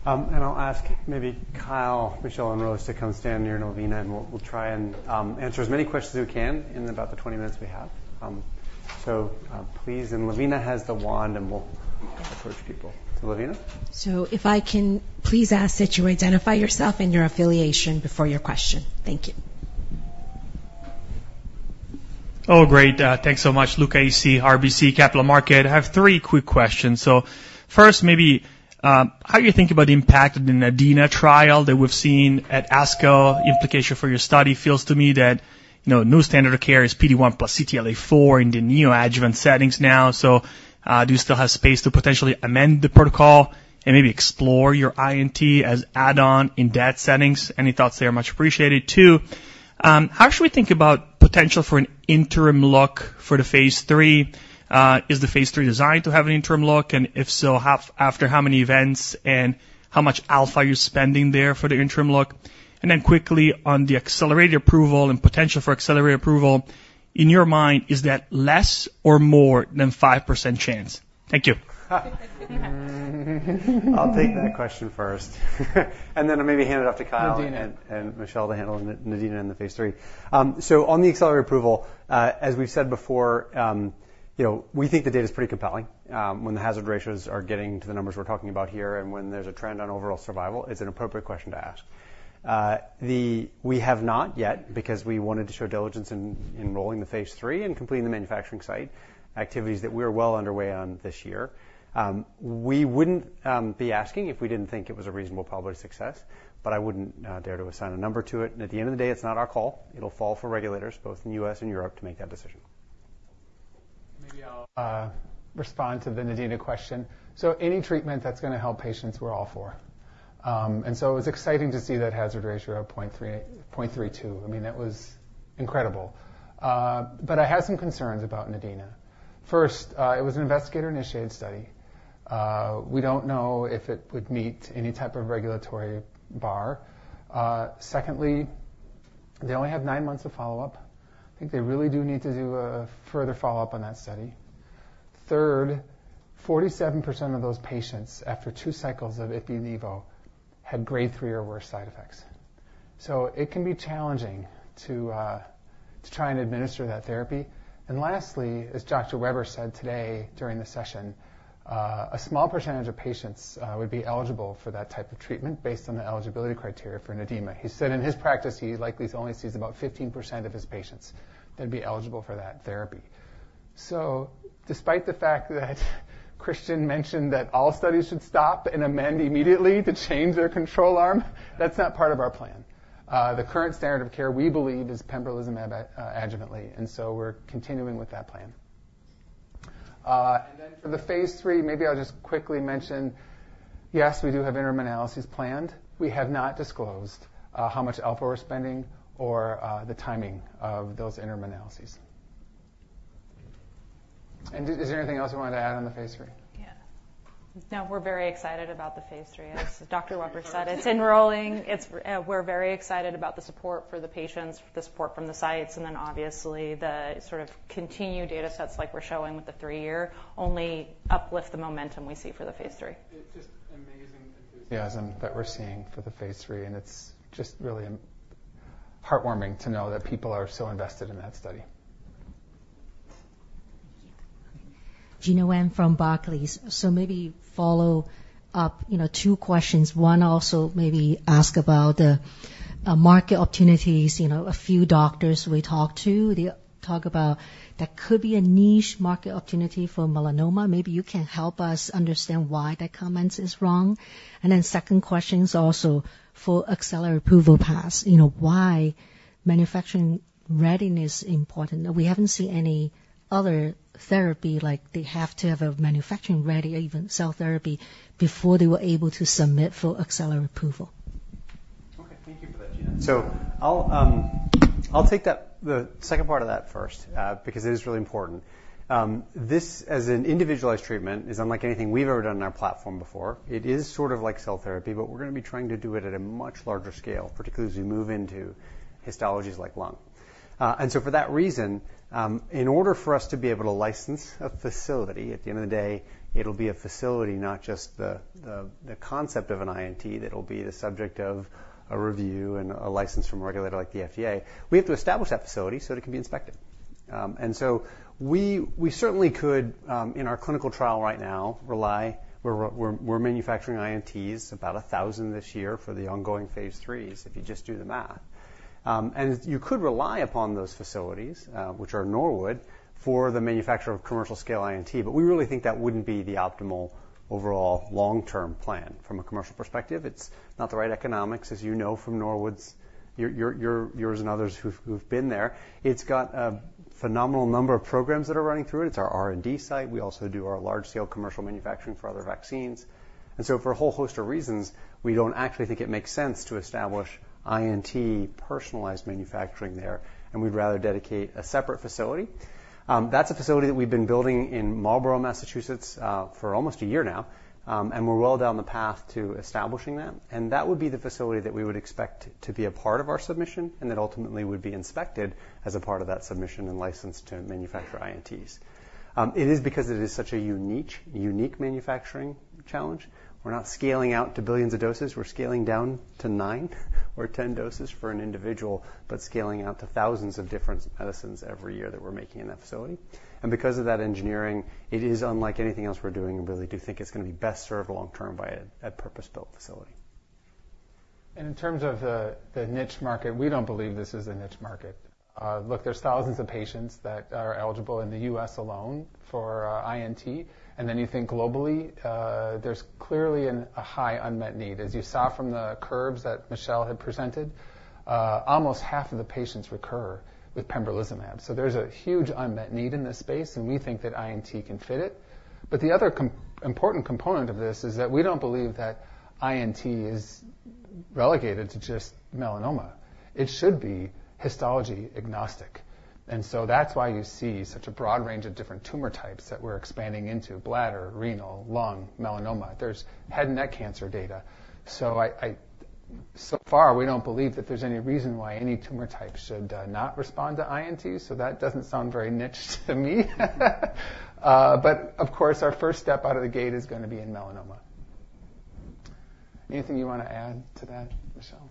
And I'll ask maybe Kyle, Michelle, and Rose to come stand near Lavina, and we'll try and answer as many questions as we can in about the 20 minutes we have. So, please, and Lavina has the wand, and we'll approach people. So Lavina? If I can please ask that you identify yourself and your affiliation before your question. Thank you. Oh, great. Thanks so much. Luca Issi, RBC Capital Markets. I have three quick questions. So first, maybe, how do you think about the impact of the NADINA trial that we've seen at ASCO? Implication for your study feels to me that, you know, new standard of care is PD-1 plus CTLA-4 in the neoadjuvant settings now. So, do you still have space to potentially amend the protocol and maybe explore your INT as add-on in that settings? Any thoughts there are much appreciated. Two, how should we think about potential for an interim look for the phase three? Is the phase three designed to have an interim look, and if so, after how many events, and how much alpha are you spending there for the interim look? And then quickly on the accelerated approval and potential for accelerated approval, in your mind, is that less or more than 5% chance? Thank you. I'll take that question first, and then I'll maybe hand it off to Kyle- NADINA Michelle to handle the NADINA and the phase 3. So on the accelerated approval, as we've said before, you know, we think the data is pretty compelling. When the hazard ratios are getting to the numbers we're talking about here, and when there's a trend on overall survival, it's an appropriate question to ask. We have not yet because we wanted to show diligence in rolling the phase 3 and completing the manufacturing site, activities that we are well underway on this year. We wouldn't be asking if we didn't think it was a reasonable public success, but I wouldn't dare to assign a number to it. At the end of the day, it's not our call. It'll fall for regulators, both in the US and Europe, to make that decision. Maybe I'll respond to the NADINA question. So any treatment that's gonna help patients, we're all for. And so it was exciting to see that hazard ratio of 0.32. I mean, that was incredible. But I have some concerns about NADINA. First, it was an investigator-initiated study. We don't know if it would meet any type of regulatory bar. Secondly, they only have 9 months of follow-up. I think they really do need to do a further follow-up on that study. Third, 47% of those patients, after 2 cycles of ipi/nivo, had grade 3 or worse side effects. So it can be challenging to try and administer that therapy. And lastly, as Dr. Weber said today during the session, a small percentage of patients would be eligible for that type of treatment based on the eligibility criteria for NADINA. He said in his practice, he likely only sees about 15% of his patients that'd be eligible for that therapy. So despite the fact that Christian mentioned that all studies should stop and amend immediately to change their control arm, that's not part of our plan. The current standard of care, we believe, is pembrolizumab adjuvantly, and so we're continuing with that plan. And then for the phase 3, maybe I'll just quickly mention, yes, we do have interim analyses planned. We have not disclosed how much alpha we're spending or the timing of those interim analyses. And is there anything else you wanted to add on the phase 3? Yeah. No, we're very excited about the phase 3. As Dr. Weber said, it's enrolling. We're very excited about the support for the patients, the support from the sites, and then obviously, the sort of continued data sets like we're showing with the 3-year, only uplift the momentum we see for the phase 3. It's just amazing enthusiasm that we're seeing for the phase 3, and it's just really heartwarming to know that people are so invested in that study. Gena Wang from Barclays. So maybe follow up, you know, two questions. One also maybe ask about the market opportunities. You know, a few doctors we talked to, they talk about there could be a niche market opportunity for melanoma. Maybe you can help us understand why that comment is wrong. And then second question is also for accelerated approval path, you know, why manufacturing readiness is important? We haven't seen any other therapy like they have to have a manufacturing ready, even cell therapy, before they were able to submit for accelerated approval. Okay, thank you for that, Gena. So I'll, I'll take that—the second part of that first, because it is really important. This, as an individualized treatment, is unlike anything we've ever done in our platform before. It is sort of like cell therapy, but we're gonna be trying to do it at a much larger scale, particularly as we move into histologies like lung. And so for that reason, in order for us to be able to license a facility, at the end of the day, it'll be a facility, not just the concept of an INT that will be the subject of a review and a license from a regulator like the FDA. We have to establish that facility so it can be inspected. And so we, we certainly could, in our clinical trial right now, rely, We're manufacturing INTs, about 1,000 this year for the ongoing phase 3s, if you just do the math. And you could rely upon those facilities, which are Norwood, for the manufacture of commercial scale INT, but we really think that wouldn't be the optimal overall long-term plan from a commercial perspective. It's not the right economics, as you know, from Norwood. Yours and others who've been there. It's got a phenomenal number of programs that are running through it. It's our R&D site. We also do our large-scale commercial manufacturing for other vaccines. And so for a whole host of reasons, we don't actually think it makes sense to establish INT personalized manufacturing there, and we'd rather dedicate a separate facility. That's a facility that we've been building in Marlborough, Massachusetts, for almost a year now, and we're well down the path to establishing that. That would be the facility that we would expect to be a part of our submission, and that ultimately would be inspected as a part of that submission and licensed to manufacture INTs. It is because it is such a unique manufacturing challenge. We're not scaling out to billions of doses. We're scaling down to 9 or 10 doses for an individual, but scaling out to thousands of different medicines every year that we're making in that facility. Because of that engineering, it is unlike anything else we're doing, and really do think it's gonna be best served long term by a purpose-built facility. In terms of the niche market, we don't believe this is a niche market. Look, there's thousands of patients that are eligible in the U.S. alone for INT, and then you think globally, there's clearly a high unmet need. As you saw from the curves that Michelle had presented, almost half of the patients recur with pembrolizumab. So there's a huge unmet need in this space, and we think that INT can fit it. But the other important component of this is that we don't believe that INT is relegated to just melanoma. It should be histology agnostic, and so that's why you see such a broad range of different tumor types that we're expanding into bladder, renal, lung, melanoma. There's head and neck cancer data. So far, we don't believe that there's any reason why any tumor type should not respond to INT, so that doesn't sound very niche to me. But of course, our first step out of the gate is gonna be in melanoma. Anything you want to add to that, Michelle?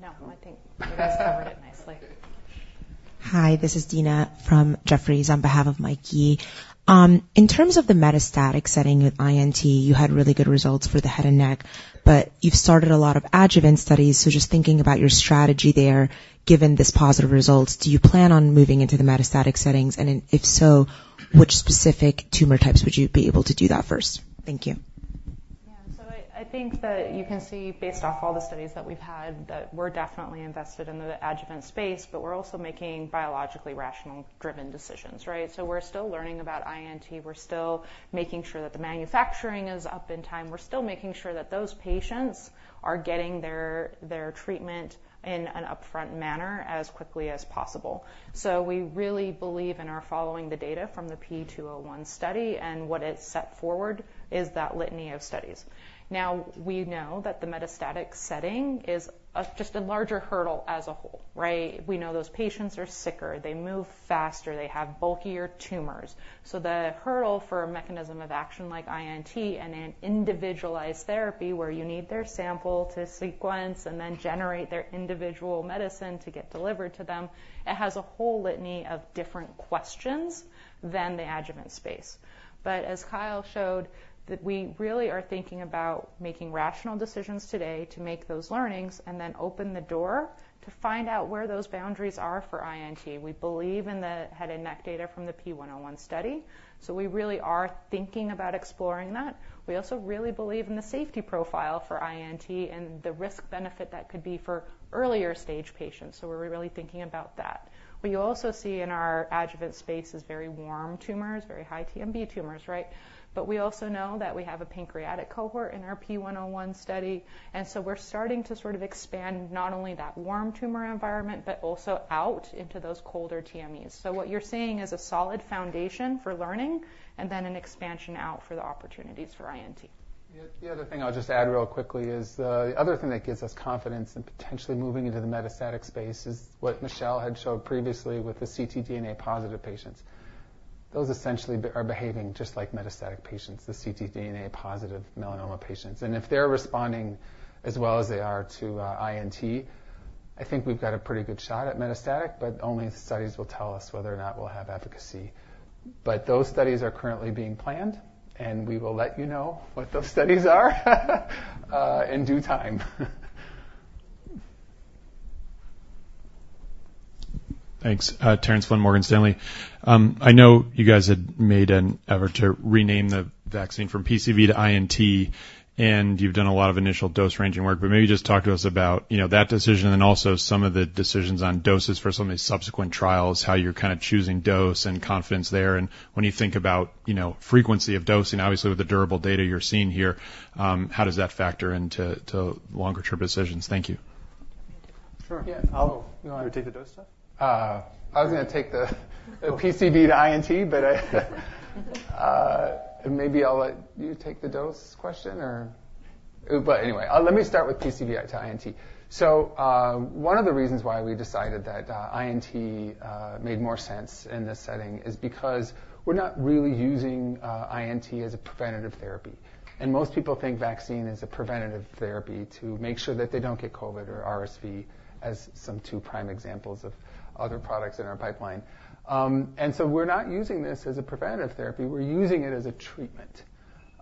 No. I think you guys covered it nicely. Hi, this is Dina from Jefferies on behalf of Mike Yee. In terms of the metastatic setting with INT, you had really good results for the head and neck, but you've started a lot of adjuvant studies, so just thinking about your strategy there, given this positive result, do you plan on moving into the metastatic settings? And if so, which specific tumor types would you be able to do that first? Thank you. Yeah. So I, I think that you can see, based off all the studies that we've had, that we're definitely invested in the adjuvant space, but we're also making biologically rational, driven decisions, right? So we're still learning about INT. We're still making sure that the manufacturing is up in time. We're still making sure that those patients are getting their treatment in an upfront manner as quickly as possible. So we really believe and are following the data from the P201 study, and what it set forward is that litany of studies. Now, we know that the metastatic setting is just a larger hurdle as a whole, right? We know those patients are sicker, they move faster, they have bulkier tumors. So the hurdle for a mechanism of action like INT and an individualized therapy, where you need their sample to sequence and then generate their individual medicine to get delivered to them, it has a whole litany of different questions than the adjuvant space. But as Kyle showed, that we really are thinking about making rational decisions today to make those learnings and then open the door to find out where those boundaries are for INT. We believe in the head and neck data from the P101 study, so we really are thinking about exploring that. We also really believe in the safety profile for INT and the risk-benefit that could be for earlier stage patients, so we're really thinking about that. What you also see in our adjuvant space is very warm tumors, very high TMB tumors, right? But we also know that we have a pancreatic cohort in our P101 study, and so we're starting to sort of expand not only that warm tumor environment, but also out into those colder TMEs. So what you're seeing is a solid foundation for learning and then an expansion out for the opportunities for INT. The other thing I'll just add real quickly is the other thing that gives us confidence in potentially moving into the metastatic space is what Michelle had showed previously with the ctDNA-positive patients. Those essentially are behaving just like metastatic patients, the ctDNA-positive melanoma patients. And if they're responding as well as they are to INT, I think we've got a pretty good shot at metastatic, but only the studies will tell us whether or not we'll have efficacy. But those studies are currently being planned, and we will let you know what those studies are in due time. Thanks. Terence Flynn, Morgan Stanley. I know you guys had made an effort to rename the vaccine from PCV to INT, and you've done a lot of initial dose-ranging work, but maybe just talk to us about, you know, that decision and also some of the decisions on doses for some of the subsequent trials, how you're kind of choosing dose and confidence there. And when you think about, you know, frequency of dosing, obviously, with the durable data you're seeing here, how does that factor into, to longer-term decisions? Thank you. Sure. Yeah. I'll- You want to take the dose stuff? I was gonna take the PCV to INT, but maybe I'll let you take the dose question. But anyway, let me start with PCV to INT. So, one of the reasons why we decided that INT made more sense in this setting is because we're not really using INT as a preventative therapy. And most people think vaccine is a preventative therapy to make sure that they don't get COVID or RSV, as some two prime examples of other products in our pipeline. And so we're not using this as a preventative therapy, we're using it as a treatment.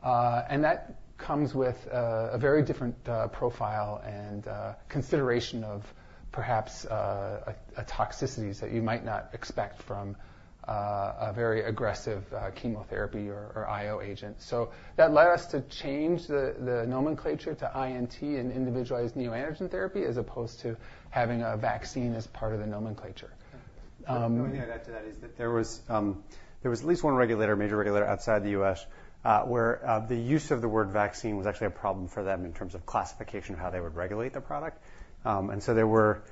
And that comes with a very different profile and consideration of perhaps a toxicities that you might not expect from a very aggressive chemotherapy or IO agent. So that led us to change the nomenclature to INT, an Individualized Neoantigen Therapy, as opposed to having a vaccine as part of the nomenclature. The only thing I'd add to that is that there was at least one regulator, major regulator, outside the U.S., where the use of the word vaccine was actually a problem for them in terms of classification of how they would regulate the product. And so there were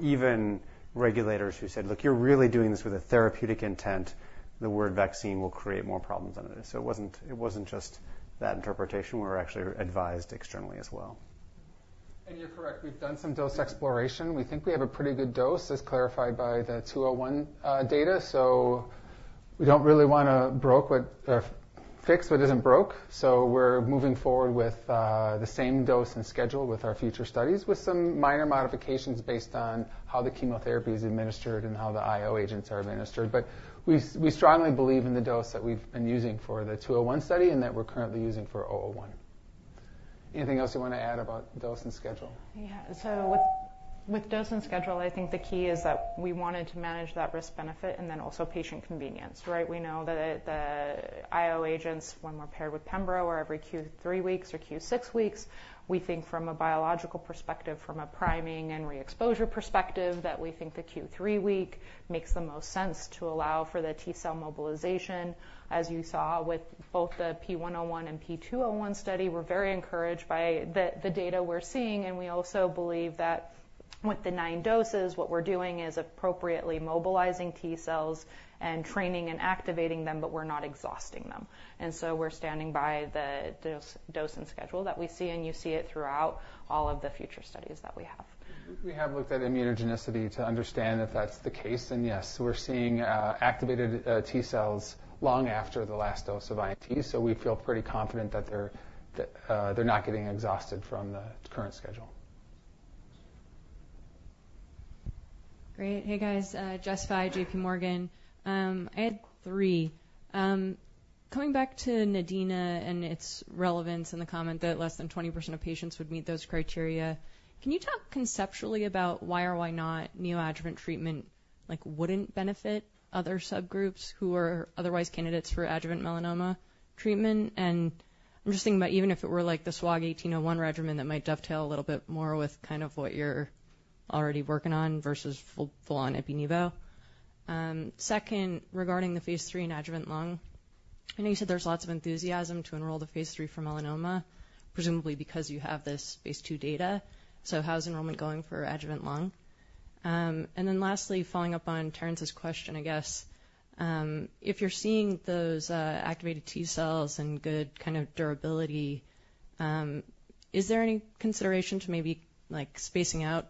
even regulators who said: Look, you're really doing this with a therapeutic intent. The word vaccine will create more problems than it is. So it wasn't just that interpretation. We were actually advised externally as well. And you're correct, we've done some dose exploration. We think we have a pretty good dose, as clarified by the 201 data, so we don't really wanna fix what isn't broke. So we're moving forward with the same dose and schedule with our future studies, with some minor modifications based on how the chemotherapy is administered and how the IO agents are administered. But we strongly believe in the dose that we've been using for the 201 study, and that we're currently using for 101. Anything else you want to add about dose and schedule? Yeah. So with, with dose and schedule, I think the key is that we wanted to manage that risk-benefit and then also patient convenience, right? We know that the IO agents, when we're paired with pembro, are every Q three weeks or Q six weeks. We think from a biological perspective, from a priming and reexposure perspective, that we think the Q three week makes the most sense to allow for the T cell mobilization. As you saw with both the P101 and P201 study, we're very encouraged by the, the data we're seeing, and we also believe that with the 9 doses, what we're doing is appropriately mobilizing T cells and training and activating them, but we're not exhausting them. And so we're standing by the dose, dose and schedule that we see, and you see it throughout all of the future studies that we have. We have looked at immunogenicity to understand if that's the case, and yes, we're seeing activated T cells long after the last dose of INT, so we feel pretty confident that they're not getting exhausted from the current schedule. Great. Hey, guys, Jessica Fye, J.P. Morgan. I had three. Coming back to NADINA and its relevance in the comment that less than 20% of patients would meet those criteria. Can you talk conceptually about why or why not neoadjuvant treatment, like, wouldn't benefit other subgroups who are otherwise candidates for adjuvant melanoma treatment? And I'm just thinking about even if it were like the SWOG S1801 regimen, that might dovetail a little bit more with kind of what you're already working on versus full-on ipi-nivo. Second, regarding the phase 3 in adjuvant lung, I know you said there's lots of enthusiasm to enroll the phase 3 for melanoma, presumably because you have this phase 2 data. So how's enrollment going for adjuvant lung? And then lastly, following up on Terence's question, I guess, if you're seeing those activated T cells and good kind of durability, is there any consideration to maybe like spacing out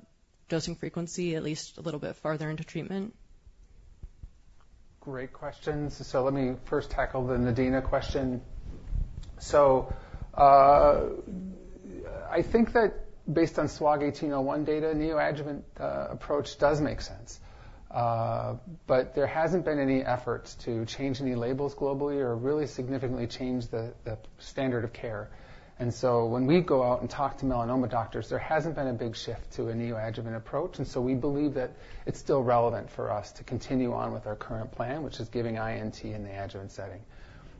dosing frequency at least a little bit farther into treatment? Great questions. So let me first tackle the NADINA question. So, I think that based on SWOG S1801 data, neoadjuvant approach does make sense. But there hasn't been any efforts to change any labels globally or really significantly change the, the standard of care. And so when we go out and talk to melanoma doctors, there hasn't been a big shift to a neoadjuvant approach, and so we believe that it's still relevant for us to continue on with our current plan, which is giving INT in the adjuvant setting.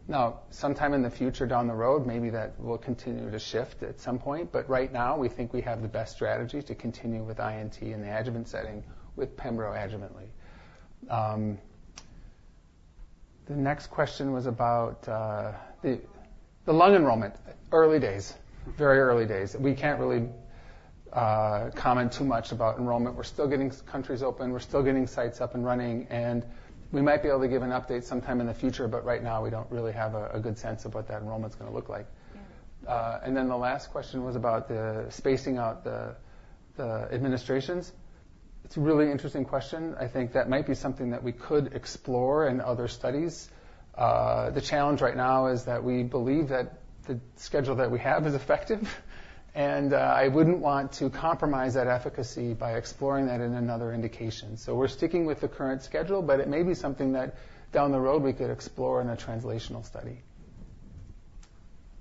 Now, sometime in the future, down the road, maybe that will continue to shift at some point, but right now, we think we have the best strategy to continue with INT in the adjuvant setting with pembro, adjuvant. The next question was about, the, the lung enrollment. Early days, very early days. We can't really comment too much about enrollment. We're still getting countries open. We're still getting sites up and running, and we might be able to give an update sometime in the future, but right now, we don't really have a good sense of what that enrollment's gonna look like. And then the last question was about the spacing out the administrations. It's a really interesting question. I think that might be something that we could explore in other studies. The challenge right now is that we believe that the schedule that we have is effective, and I wouldn't want to compromise that efficacy by exploring that in another indication. So we're sticking with the current schedule, but it may be something that down the road we could explore in a translational study.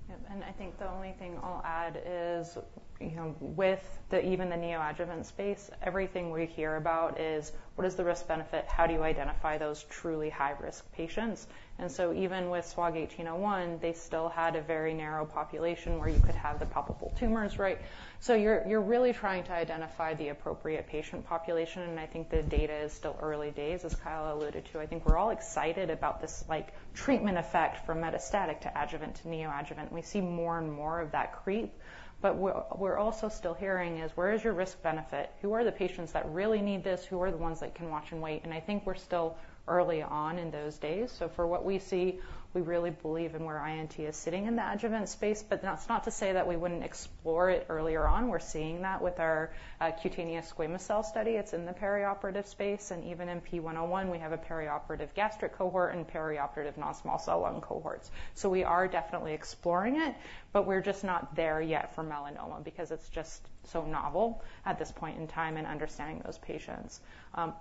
Yeah, and I think the only thing I'll add is, you know, with the even the neoadjuvant space, everything we hear about is what is the risk-benefit, how do you identify those truly high-risk patients? And so even with SWOG S1801, they still had a very narrow population where you could have the palpable tumors, right? So you're really trying to identify the appropriate patient population, and I think the data is still early days, as Kyle alluded to. I think we're all excited about this, like, treatment effect from metastatic, to adjuvant, to neoadjuvant, and we see more and more of that creep. But what we're also still hearing is, where is your risk-benefit? Who are the patients that really need this? Who are the ones that can watch and wait? And I think we're still early on in those days. So for what we see, we really believe in where INT is sitting in the adjuvant space. But that's not to say that we wouldn't explore it earlier on. We're seeing that with our cutaneous squamous cell study. It's in the perioperative space, and even in P101, we have a perioperative gastric cohort and perioperative non-small cell lung cohorts. So we are definitely exploring it, but we're just not there yet for melanoma because it's just so novel at this point in time and understanding those patients.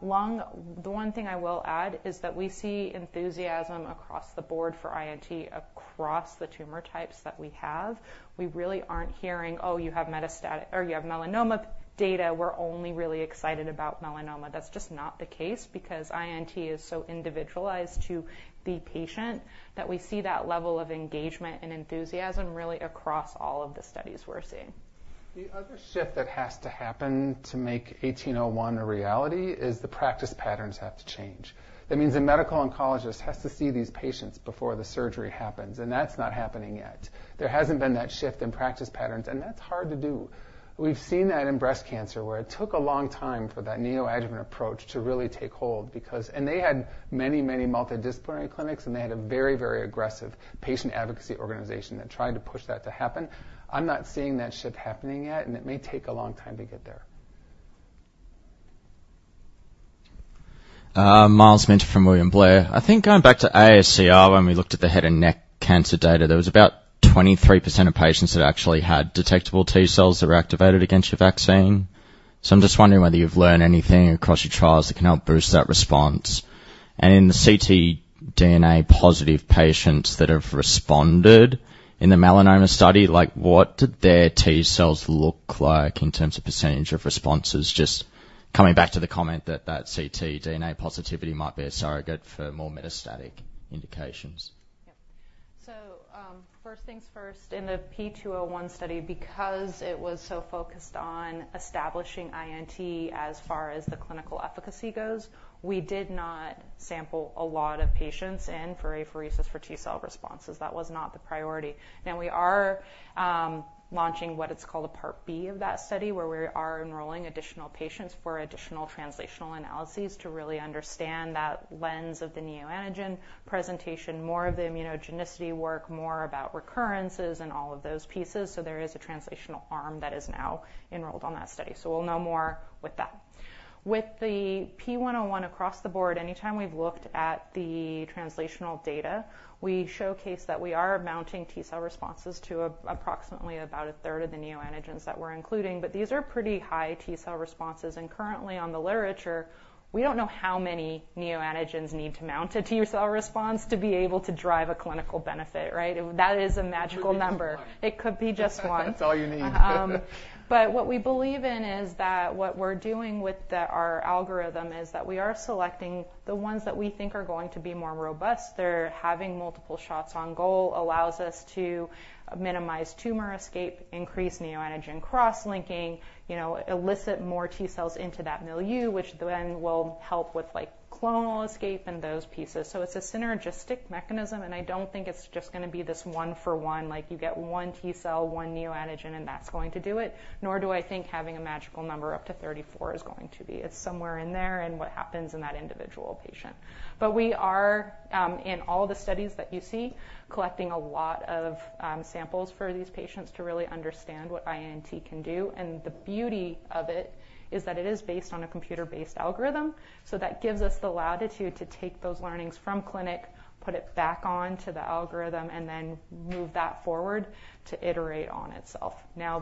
Lung, the one thing I will add is that we see enthusiasm across the board for INT across the tumor types that we have. We really aren't hearing, "Oh, you have metastatic or you have melanoma data. We're only really excited about melanoma." That's just not the case, because INT is so individualized to the patient, that we see that level of engagement and enthusiasm really across all of the studies we're seeing. The other shift that has to happen to make S1801 a reality is the practice patterns have to change. That means a medical oncologist has to see these patients before the surgery happens, and that's not happening yet. There hasn't been that shift in practice patterns, and that's hard to do. We've seen that in breast cancer, where it took a long time for that neoadjuvant approach to really take hold because they had many, many multidisciplinary clinics, and they had a very, very aggressive patient advocacy organization that tried to push that to happen. I'm not seeing that shift happening yet, and it may take a long time to get there. Myles Minter from William Blair. I think going back to AACR, when we looked at the head and neck cancer data, there was about 23% of patients that actually had detectable T cells that were activated against your vaccine. So I'm just wondering whether you've learned anything across your trials that can help boost that response. And in the ctDNA positive patients that have responded in the melanoma study, like, what did their T-cells look like in terms of percentage of responses? Just coming back to the comment that that ctDNA positivity might be a surrogate for more metastatic indications. Yep. So, first things first, in the P201 study, because it was so focused on establishing INT as far as the clinical efficacy goes, we did not sample a lot of patients in for apheresis for T-cell responses. That was not the priority. Now, we are launching what it's called a Part B of that study, where we are enrolling additional patients for additional translational analyses to really understand that lens of the neoantigen presentation, more of the immunogenicity work, more about recurrences and all of those pieces. So there is a translational arm that is now enrolled on that study. So we'll know more with that. With the P101 across the board, anytime we've looked at the translational data, we showcase that we are mounting T-cell responses to approximately about a third of the neoantigens that we're including, but these are pretty high T-cell responses. Currently on the literature, we don't know how many neoantigens need to mount a T-cell response to be able to drive a clinical benefit, right? That is a magical number. It could be just one. That's all you need. But what we believe in is that what we're doing with our algorithm is that we are selecting the ones that we think are going to be more robust. They're having multiple shots on goal, allows us to minimize tumor escape, increase neoantigen cross-linking, you know, elicit more T-cells into that milieu, which then will help with, like, clonal escape and those pieces. So it's a synergistic mechanism, and I don't think it's just gonna be this one for one. Like, you get one T-cell, one neoantigen, and that's going to do it. Nor do I think having a magical number up to 34 is going to be. It's somewhere in there and what happens in that individual patient. But we are in all the studies that you see, collecting a lot of samples for these patients to really understand what INT can do. And the beauty of it is that it is based on a computer-based algorithm, so that gives us the latitude to take those learnings from clinic, put it back onto the algorithm, and then move that forward to iterate on itself. Now,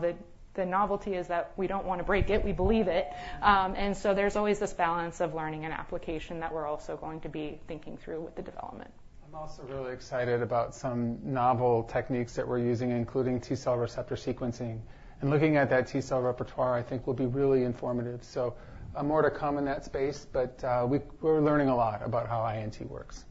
the novelty is that we don't want to break it, we believe it. And so there's always this balance of learning and application that we're also going to be thinking through with the development. I'm also really excited about some novel techniques that we're using, including T-cell receptor sequencing. Looking at that T-cell repertoire, I think, will be really informative. More to come in that space, but we're learning a lot about how INT works.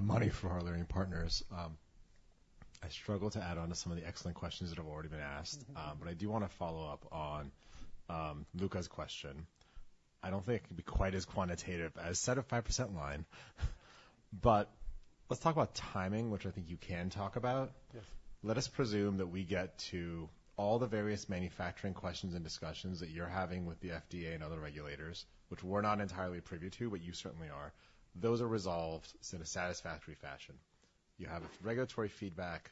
Mani from Leerink Partners. I struggle to add on to some of the excellent questions that have already been asked. But I do want to follow up on Luca's question. I don't think it could be quite as quantitative as set a 5% line, but let's talk about timing, which I think you can talk about. Yes. Let us presume that we get to all the various manufacturing questions and discussions that you're having with the FDA and other regulators, which we're not entirely privy to, but you certainly are. Those are resolved in a satisfactory fashion. You have regulatory feedback,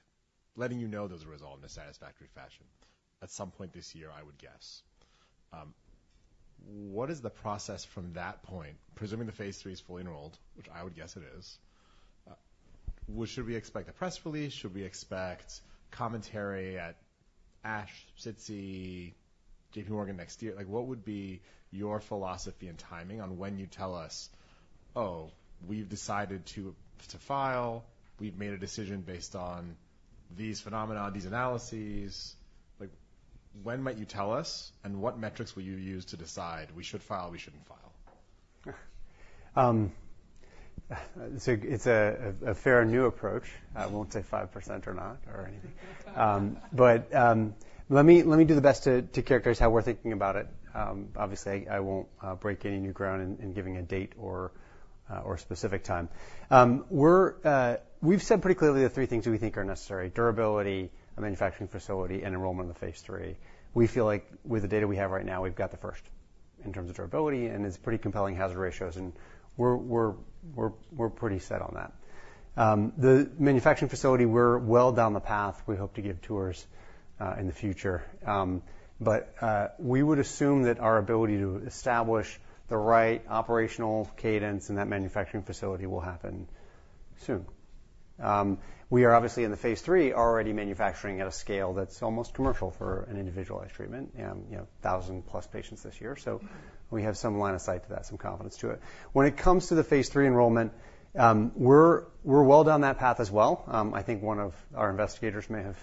letting you know those are resolved in a satisfactory fashion. At some point this year, I would guess. What is the process from that point, presuming the phase 3 is fully enrolled, which I would guess it is, should we expect a press release? Should we expect commentary at ASH, SITC, J.P. Morgan next year? Like, what would be your philosophy and timing on when you tell us, "Oh, we've decided to, to file. We've made a decision based on these phenomena, these analyses." Like, when might you tell us, and what metrics will you use to decide, we should file, we shouldn't file? So it's a fair new approach. I won't say 5% or not or anything. But let me do the best to characterize how we're thinking about it. Obviously, I won't break any new ground in giving a date or a specific time. We've said pretty clearly the three things we think are necessary: durability, a manufacturing facility, and enrollment in the phase 3. We feel like with the data we have right now, we've got the first, in terms of durability, and it's pretty compelling hazard ratios, and we're pretty set on that. The manufacturing facility, we're well down the path. We hope to give tours in the future. But, we would assume that our ability to establish the right operational cadence in that manufacturing facility will happen soon. We are obviously in the phase 3, already manufacturing at a scale that's almost commercial for an individualized treatment, you know, 1,000+ patients this year. So we have some line of sight to that, some confidence to it. When it comes to the phase 3 enrollment, we're well down that path as well. I think one of our investigators may have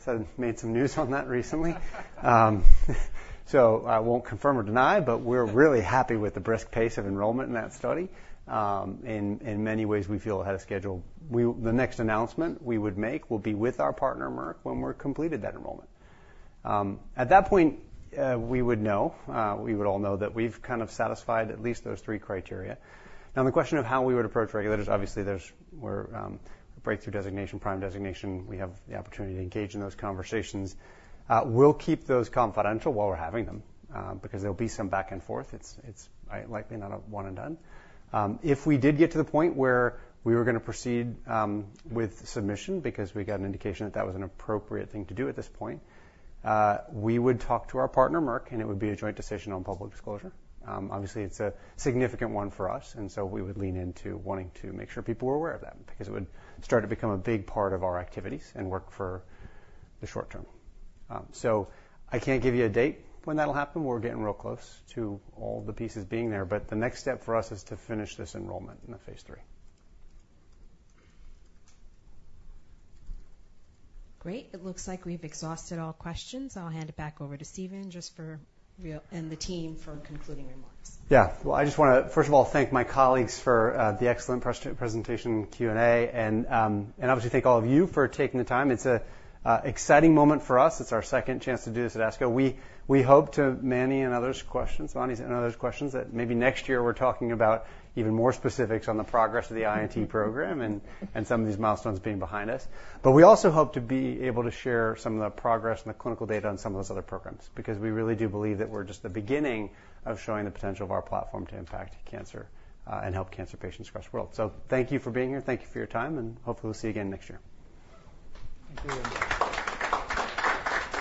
said and made some news on that recently. So I won't confirm or deny, but we're really happy with the brisk pace of enrollment in that study. In many ways, we feel ahead of schedule. The next announcement we would make will be with our partner, Merck, when we're completed that enrollment. At that point, we would know, we would all know that we've kind of satisfied at least those three criteria. Now, the question of how we would approach regulators, obviously, there's— we're, breakthrough designation, PRIME designation. We have the opportunity to engage in those conversations. We'll keep those confidential while we're having them, because there'll be some back and forth. It's likely not a one and done. If we did get to the point where we were gonna proceed with submission because we got an indication that that was an appropriate thing to do at this point, we would talk to our partner, Merck, and it would be a joint decision on public disclosure. Obviously, it's a significant one for us, and so we would lean into wanting to make sure people were aware of that because it would start to become a big part of our activities and work for the short term. So I can't give you a date when that'll happen. We're getting real close to all the pieces being there, but the next step for us is to finish this enrollment in the phase 3. Great. It looks like we've exhausted all questions. I'll hand it back over to Stephen just for real, and the team for concluding remarks. Yeah. Well, I just wanna, first of all, thank my colleagues for the excellent presentation and Q&A, and obviously, thank all of you for taking the time. It's an exciting moment for us. It's our second chance to do this at ASCO. We hope to Mani's and others' questions, that maybe next year we're talking about even more specifics on the progress of the INT program and and some of these milestones being behind us. But we also hope to be able to share some of the progress and the clinical data on some of those other programs, because we really do believe that we're just the beginning of showing the potential of our platform to impact cancer and help cancer patients across the world. So thank you for being here. Thank you for your time, and hopefully, we'll see you again next year. Thank you.